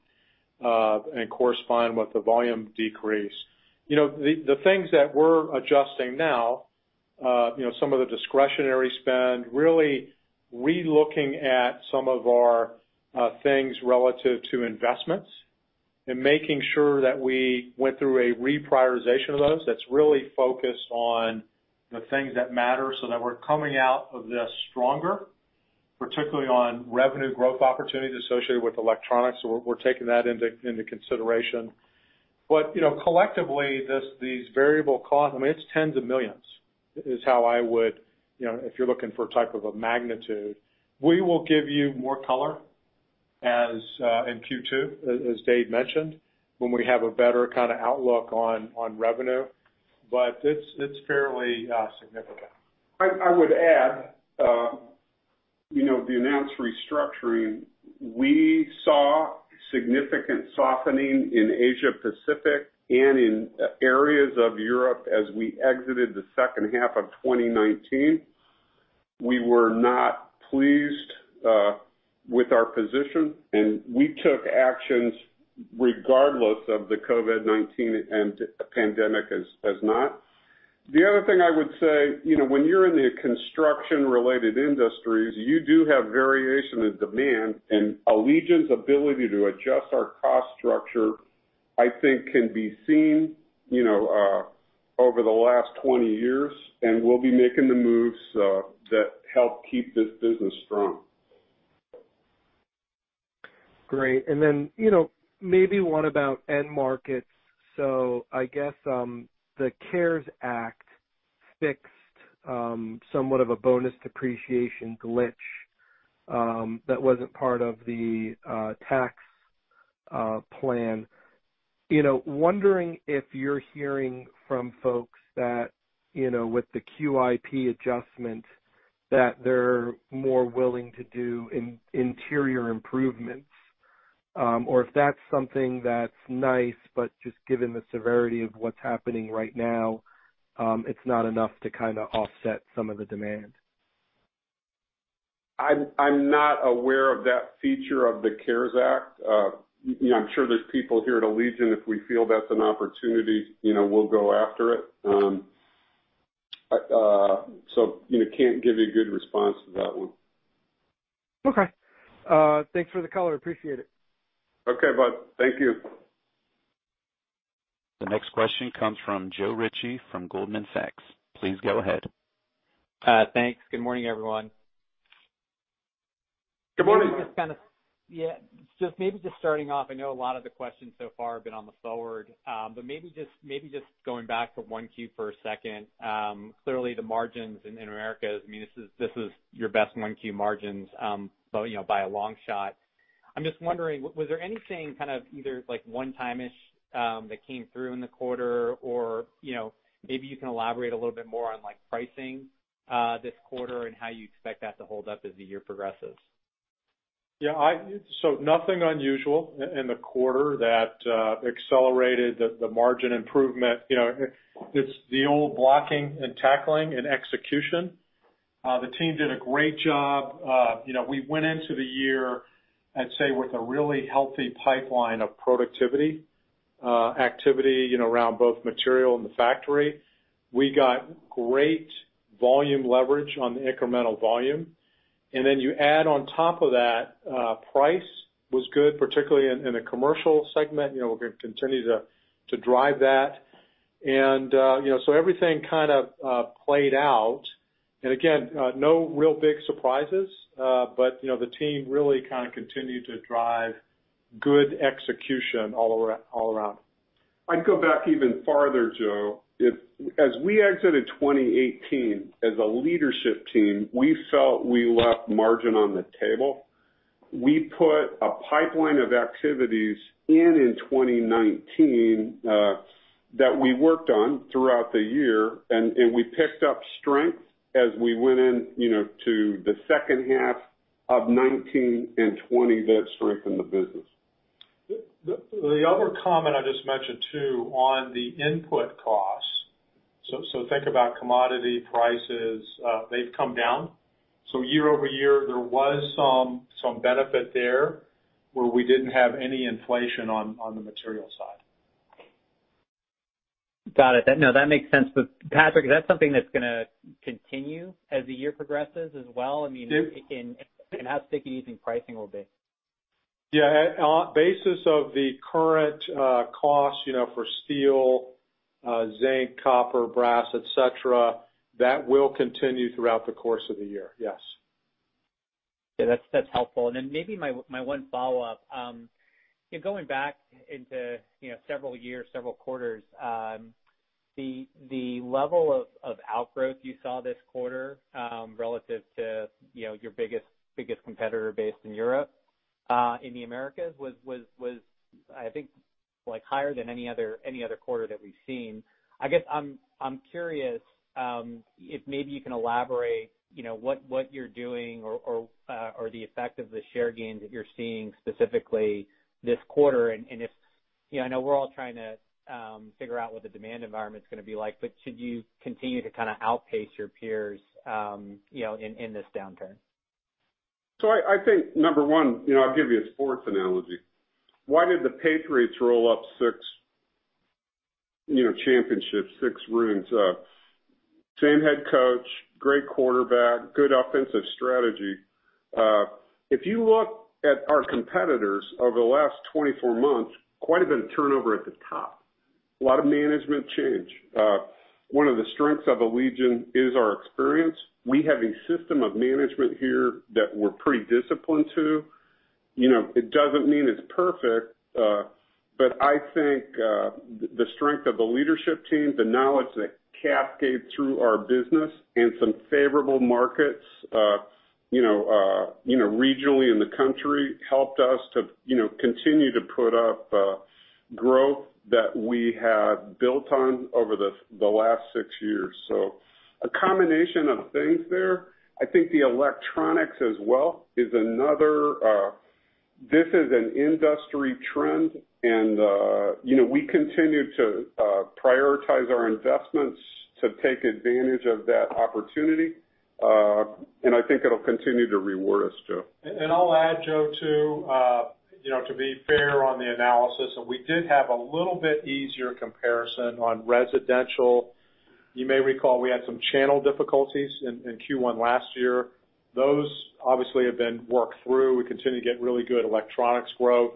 and correspond with the volume decrease. The things that we're adjusting now, some of the discretionary spend, really re-looking at some of our things relative to investments and making sure that we went through a reprioritization of those that's really focused on the things that matter so that we're coming out of this stronger, particularly on revenue growth opportunities associated with electronics. We're taking that into consideration. Collectively, these variable costs, it's tens of millions, is how I would, if you're looking for a type of a magnitude. We will give you more color in Q2, as Dave mentioned, when we have a better kind of outlook on revenue. It's fairly significant. I would add, to the announced restructuring, we saw significant softening in Asia Pacific and in areas of Europe as we exited the second half of 2019. We were not pleased with our position, and we took actions regardless of the COVID-19 pandemic as not. The other thing I would say, when you're in the construction-related industries, you do have variation in demand, and Allegion's ability to adjust our cost structure, I think, can be seen over the last 20 years, and we'll be making the moves that help keep this business strong. Great. Maybe what about end markets? I guess the CARES Act fixed somewhat of a bonus depreciation glitch that wasn't part of the tax plan. Wondering if you're hearing from folks that, with the QIP adjustment, that they're more willing to do interior improvements, or if that's something that's nice, but just given the severity of what's happening right now, it's not enough to kind of offset some of the demand. I'm not aware of that feature of the CARES Act. I'm sure there's people here at Allegion; if we feel that's an opportunity, we'll go after it. Can't give you a good response to that one. Okay. Thanks for the call. I appreciate it. Okay, bud. Thank you. The next question comes from Joe Ritchie from Goldman Sachs. Please go ahead. Thanks. Good morning, everyone. Good morning. Just starting off, I know a lot of the questions so far have been on the forward, but just going back for one Q for a second. Clearly, the margins in America, this is your best one-Q margins by a long shot. I'm just wondering, was there anything kind of either like one-time-ish that came through in the quarter, or maybe you can elaborate a little bit more on pricing this quarter and how you expect that to hold up as the year progresses? Nothing unusual in the quarter that accelerated the margin improvement. It's the old blocking and tackling and execution. The team did a great job. We went into the year, I'd say, with a really healthy pipeline of productivity, activity around both material and the factory. We got great volume leverage on the incremental volume. Then you add on top of that, price was good, particularly in the commercial segment. We're going to continue to drive that. So everything kind of played out. Again, no real big surprises. The team really kind of continued to drive good execution all around. I'd go back even farther, Joe. As we exited 2018 as a leadership team, we felt we left margin on the table. We put a pipeline of activities in in 2019, that we worked on throughout the year, and we picked up strength as we went into the second half of 2019 and 2020 that strengthened the business. The other comment I just mentioned, too, on the input costs. Think about commodity prices. They've come down. Year-over-year, there was some benefit there where we didn't have any inflation on the material side. Got it. No, that makes sense. Patrick, is that something that's going to continue as the year progresses as well? It did. How sticky is pricing will be? Yeah. On basis of the current costs for steel, zinc, copper, brass, et cetera, that will continue throughout the course of the year, yes. Yeah, that's helpful. Maybe my one follow-up. Going back into several years, several quarters, the level of outgrowth you saw this quarter, relative to your biggest competitor based in Europe, in the Americas, was, I think, higher than any other quarter that we've seen. I guess I'm curious if maybe you can elaborate on what you're doing or the effect of the share gains that you're seeing specifically this quarter, and if, I know we're all trying to figure out what the demand environment's going to be like—should you continue to kind of outpace your peers in this downturn? I think number one, I'll give you a sports analogy. Why did the New England Patriots roll up six championships, six rings? Same head coach, great quarterback, good offensive strategy. If you look at our competitors over the last 24 months, quite a bit of turnover at the top. A lot of management change. One of the strengths of Allegion is our experience. We have a system of management here that we're pretty disciplined to. It doesn't mean it's perfect. I think the strength of the leadership team, the knowledge that cascades through our business, and some favorable markets regionally in the country helped us to continue to put up growth that we have built on over the last six years. A combination of things there. The electronics as well is another. This is an industry trend, and we continue to prioritize our investments to take advantage of that opportunity. I think it'll continue to reward us, Joe. I'll add Joe, too. to be fair on the analysis, we did have a little bit easier comparison on residential. You may recall we had some channel difficulties in Q1 last year. Those obviously have been worked through. We continue to get really good electronics growth;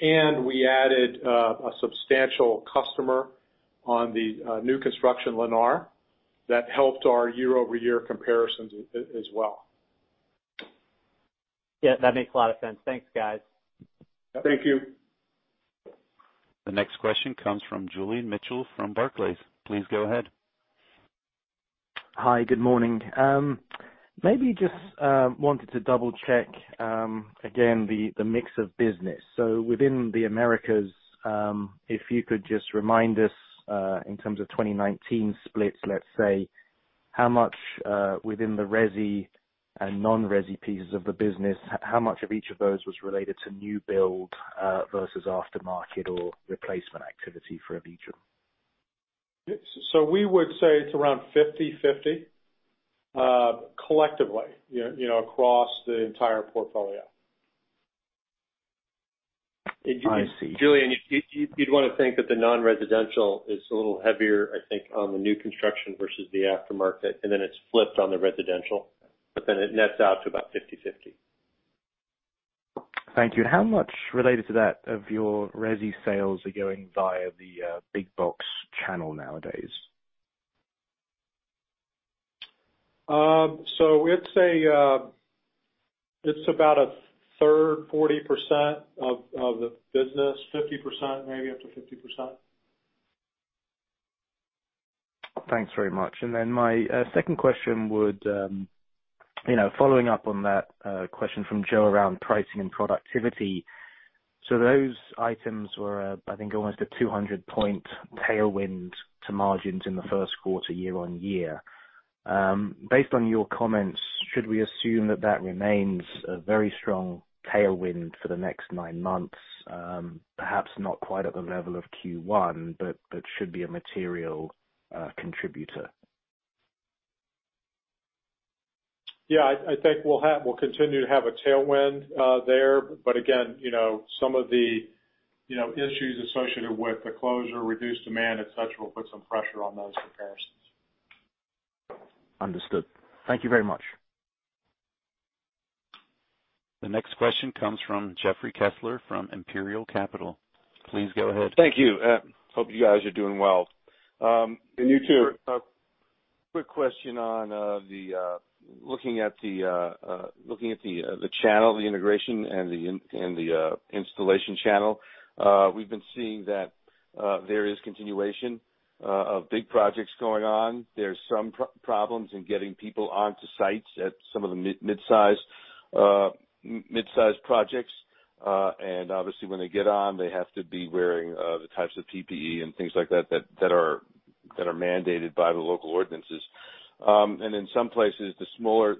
we added a substantial customer on the new construction, Lennar. That helped our year-over-year comparisons as well. That makes a lot of sense. Thanks, guys. Thank you. The next question comes from Julian Mitchell from Barclays. Please go ahead. Hi, good morning. Maybe I just wanted to double-check again the mix of business. Within the Americas, if you could just remind us, in terms of 2019 splits, let's say, within the resi and non-resi pieces of the business, how much of each of those was related to new build versus aftermarket or replacement activity for Allegion? We would say it's around 50/50, collectively, across the entire portfolio. I see. Julian, you'd want to think that the non-residential is a little heavier, I think, on the new construction versus the aftermarket, and then it's flipped on the residential, but then it nets out to about 50/50. Thank you. How much related to that of your resi sales are going via the big-box channel nowadays? It's about a third, 40% of the business. 50%, maybe up to 50%. Thanks very much. Then my second question, following up on that question from Joe around pricing and productivity. Those items were, I think, almost a 200-point tailwind to margins in the first quarter, year-on-year. Based on your comments, should we assume that that remains a very strong tailwind for the next nine months? Perhaps not quite at the level of Q1, but should be a material contributor. Yeah, I think we'll continue to have a tailwind there. Again, some of the issues associated with the closure, reduced demand, et cetera, will put some pressure on those comparisons. Understood. Thank you very much. The next question comes from Jeffrey Kessler from Imperial Capital. Please go ahead. Thank you. Hope you guys are doing well. You too. Quick question on looking at the channel, the integration, and the installation channel. We've been seeing that there is continuation of big projects going on. There's some problems in getting people onto sites at some of the mid-sized projects. Obviously when they get on, they have to be wearing the types of PPE and things like that are mandated by the local ordinances. In some places, the smaller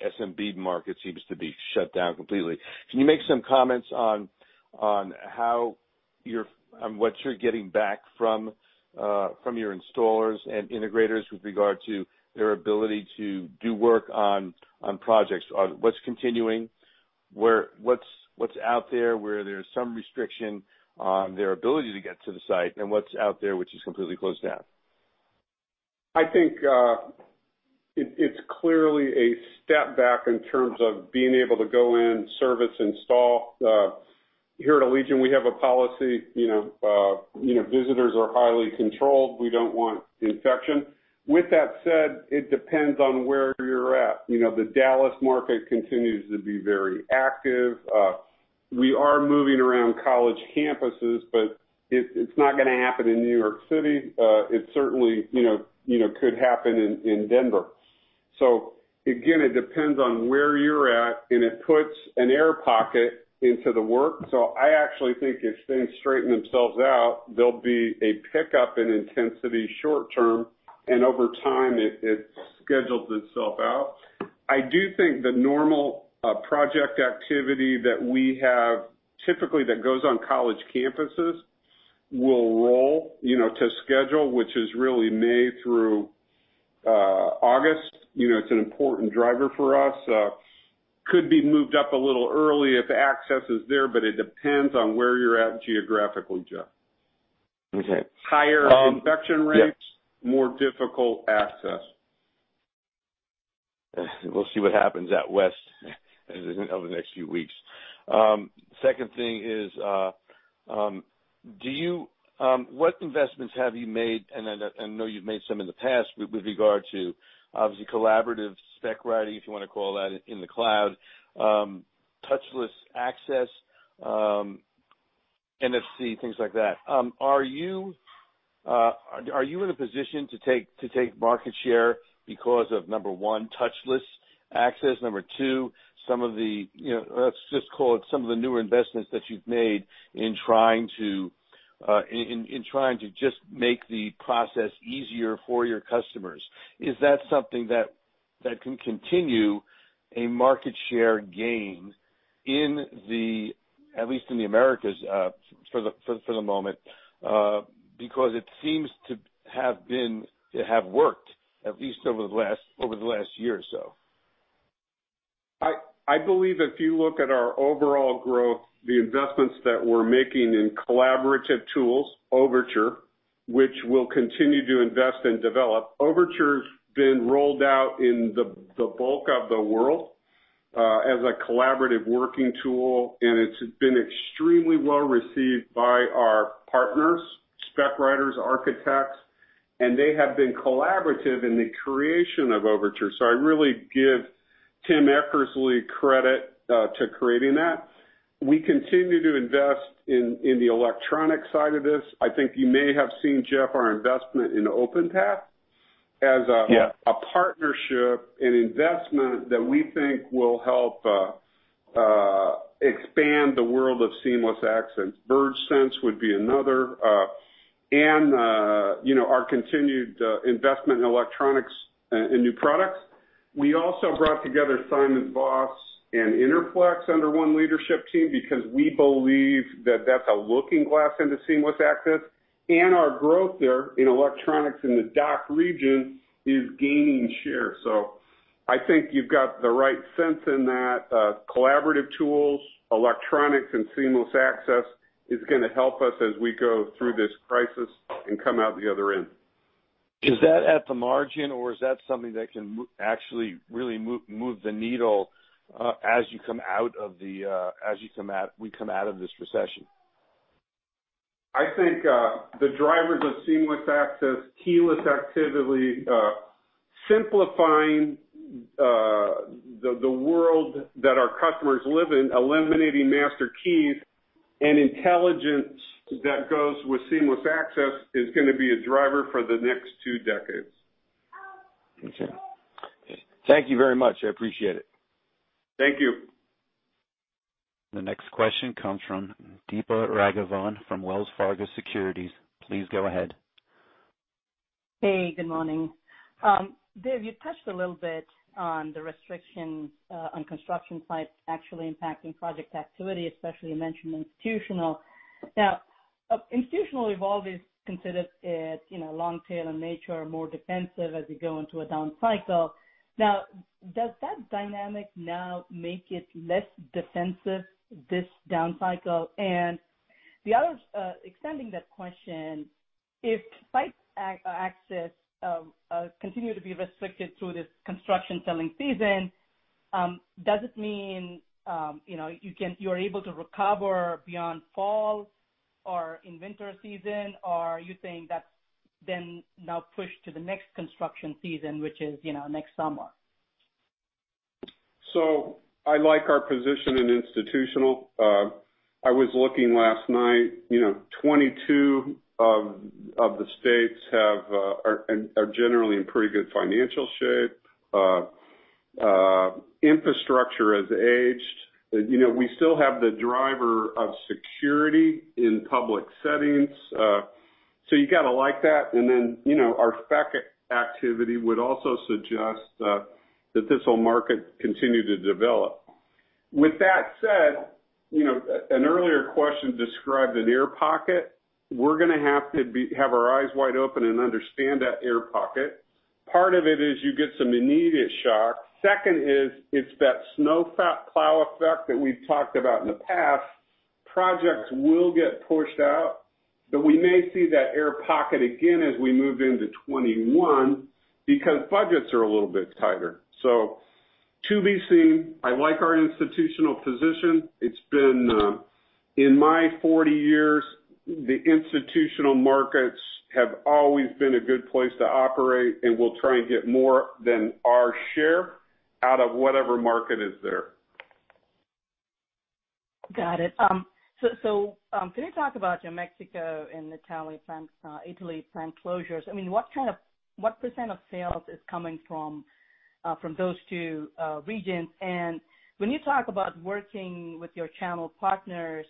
SMB market seems to be shut down completely. Can you make some comments on what you're getting back from your installers and integrators with regard to their ability to do work on projects? What's continuing? What's out there where there's some restriction on their ability to get to the site, and what's out there which is completely closed down? I think it's clearly a step back in terms of being able to go in, service, install. Here at Allegion, we have a policy: visitors are highly controlled. We don't want infection. With that said, it depends on where you're at. The Dallas market continues to be very active. We are moving around college campuses; it's not going to happen in New York City. It certainly could happen in Denver. Again, it depends on where you're at, and it puts an air pocket into the work. I actually think as things straighten themselves out, there'll be a pickup in intensity short-term, and over time it schedules itself out. I do think the normal project activity that we have typically that goes on college campuses will roll to schedule, which is really May through August. It's an important driver for us. Could be moved up a little early if access is there, but it depends on where you're at geographically, Jeff. Okay. Higher infection rates. Yeah More difficult access. We'll see what happens out West over the next few weeks. Second thing is, what investments have you made, and I know you've made some in the past with regard to obviously collaborative spec writing, if you want to call that, in the cloud, touchless access, NFC, things like that. Are you in a position to take market share because of, number one, touchless access, number two, let's just call it some of the newer investments that you've made in trying to just make the process easier for your customers? Is that something that can continue a market share gain, at least in the Americas, for the moment? It seems to have worked, at least over the last year or so. I believe if you look at our overall growth, the investments that we're making in collaborative tools, Overture, which we'll continue to invest and develop. Overture's been rolled out in the bulk of the world, as a collaborative working tool, and it's been extremely well-received by our partners, spec writers, architects. They have been collaborative in the creation of Overture. I really give Tim Eckersley credit to creating that. We continue to invest in the electronic side of this. I think you may have seen, Jeff, our investment in Openpath, a partnership and investment that we think will help expand the world of seamless access. VergeSense would be another, our continued investment in electronics and new products. We also brought together SimonsVoss and Interflex under one leadership team because we believe that that's a looking glass into seamless access. Our growth there in electronics in the DACH region is gaining share. I think you've got the right sense in that collaborative tools, electronics, and seamless access is going to help us as we go through this crisis and come out the other end. Is that at the margin, or is that something that can actually really move the needle as we come out of this recession? I think the drivers of seamless access, keyless activity, simplifying the world that our customers live in, eliminating master keys, and intelligence that goes with seamless access is going to be a driver for the next two decades. Okay. Thank you very much. I appreciate it. Thank you. The next question comes from Deepa Raghavan from Wells Fargo Securities. Please go ahead. Hey, good morning. Dave, you touched a little bit on the restrictions on construction sites actually impacting project activity, especially you mentioned institutional. Now, institutional we've always considered it long-tail in nature or more defensive as we go into a down cycle. Now, does that dynamic now make it less defensive this down cycle? The other, extending that question, if site access continue to be restricted through this construction selling season, does it mean you're able to recover beyond fall or in winter season? Or are you saying that's then now pushed to the next construction season, which is next summer? I like our position in institutional. I was looking last night; 22 of the states are generally in pretty good financial shape. Infrastructure has aged. We still have the driver of security in public settings. You got to like that, and then our spec activity would also suggest that this whole market continue to develop. With that said, an earlier question described an air pocket. We're going to have to have our eyes wide open and understand that air pocket. Part of it is you get some immediate shock. Second is, it's that snowplow effect that we've talked about in the past. Projects will get pushed out, but we may see that air pocket again as we move into 2021 because budgets are a little bit tighter. To be seen, I like our institutional position. In my 40 years, the institutional markets have always been a good place to operate, and we'll try and get more than our share out of whatever market is there. Got it. Can you talk about your Mexico and Italy plant closures? What percent of sales is coming from those two regions? When you talk about working with your channel partners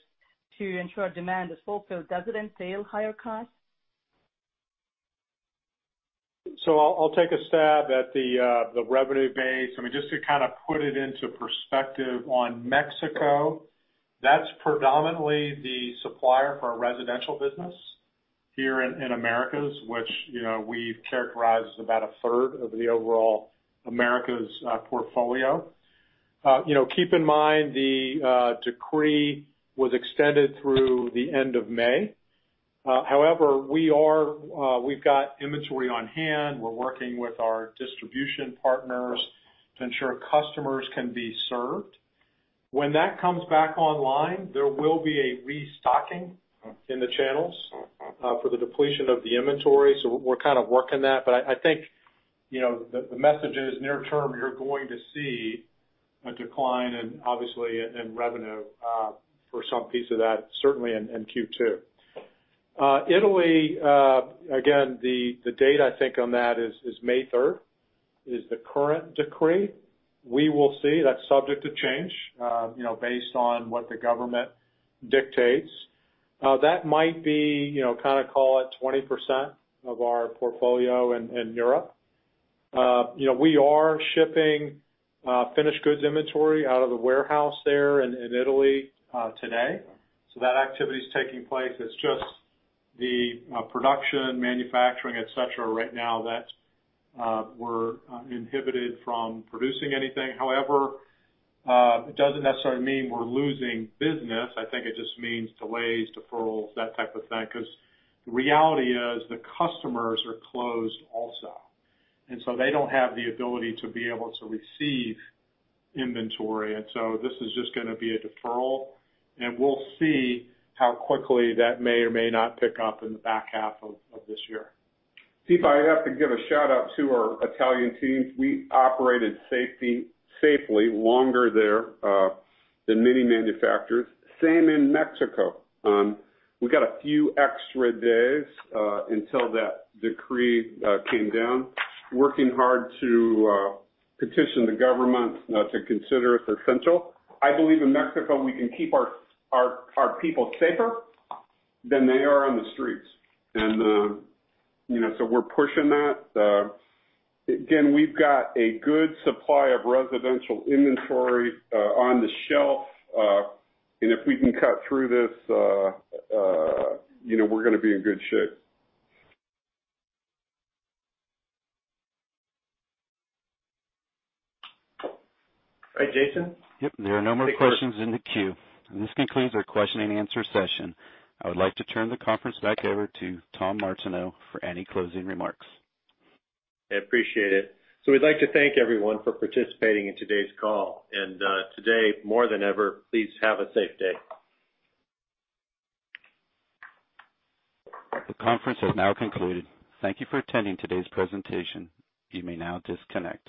to ensure demand is fulfilled, does it entail higher costs? I'll take a stab at the revenue base. Just to kind of put it into perspective on Mexico, that's predominantly the supplier for our residential business here in Americas, which we've characterized as about a third of the overall Americas portfolio. Keep in mind the decree was extended through the end of May. However, we've got inventory on hand. We're working with our distribution partners to ensure customers can be served. When that comes back online, there will be a restocking in the channels for the depletion of the inventory. We're kind of working that, but I think the message is near term, you're going to see a decline obviously in revenue for some piece of that, certainly in Q2. Italy, again, the date I think on that is May 3rd, is the current decree. We will see. That's subject to change based on what the government dictates. That might be, call it, 20% of our portfolio in Europe. We are shipping finished goods inventory out of the warehouse there in Italy today. That activity's taking place. It's just the production, manufacturing, etc. right now that we're inhibited from producing anything. However, it doesn't necessarily mean we're losing business. I think it just means delays, deferrals, that type of thing, because the reality is the customers are closed also; they don't have the ability to be able to receive inventory, this is just going to be a deferral, and we'll see how quickly that may or may not pick up in the back half of this year. Deepa, I have to give a shout-out to our Italian teams. We operated safely longer there than many manufacturers. Same in Mexico. We got a few extra days, until that decree came down, working hard to petition the government to consider us essential. I believe in Mexico, we can keep our people safer than they are on the streets. We're pushing that. Again, we've got a good supply of residential inventory on the shelf, and if we can cut through this, we're going to be in good shape. All right, Jason? Yep. There are no more questions in the queue. This concludes our question and answer session. I would like to turn the conference back over to Tom Martineau for any closing remarks. I appreciate it. We'd like to thank everyone for participating in today's call. Today, more than ever, please have a safe day. The conference has now concluded. Thank you for attending today's presentation. You may now disconnect.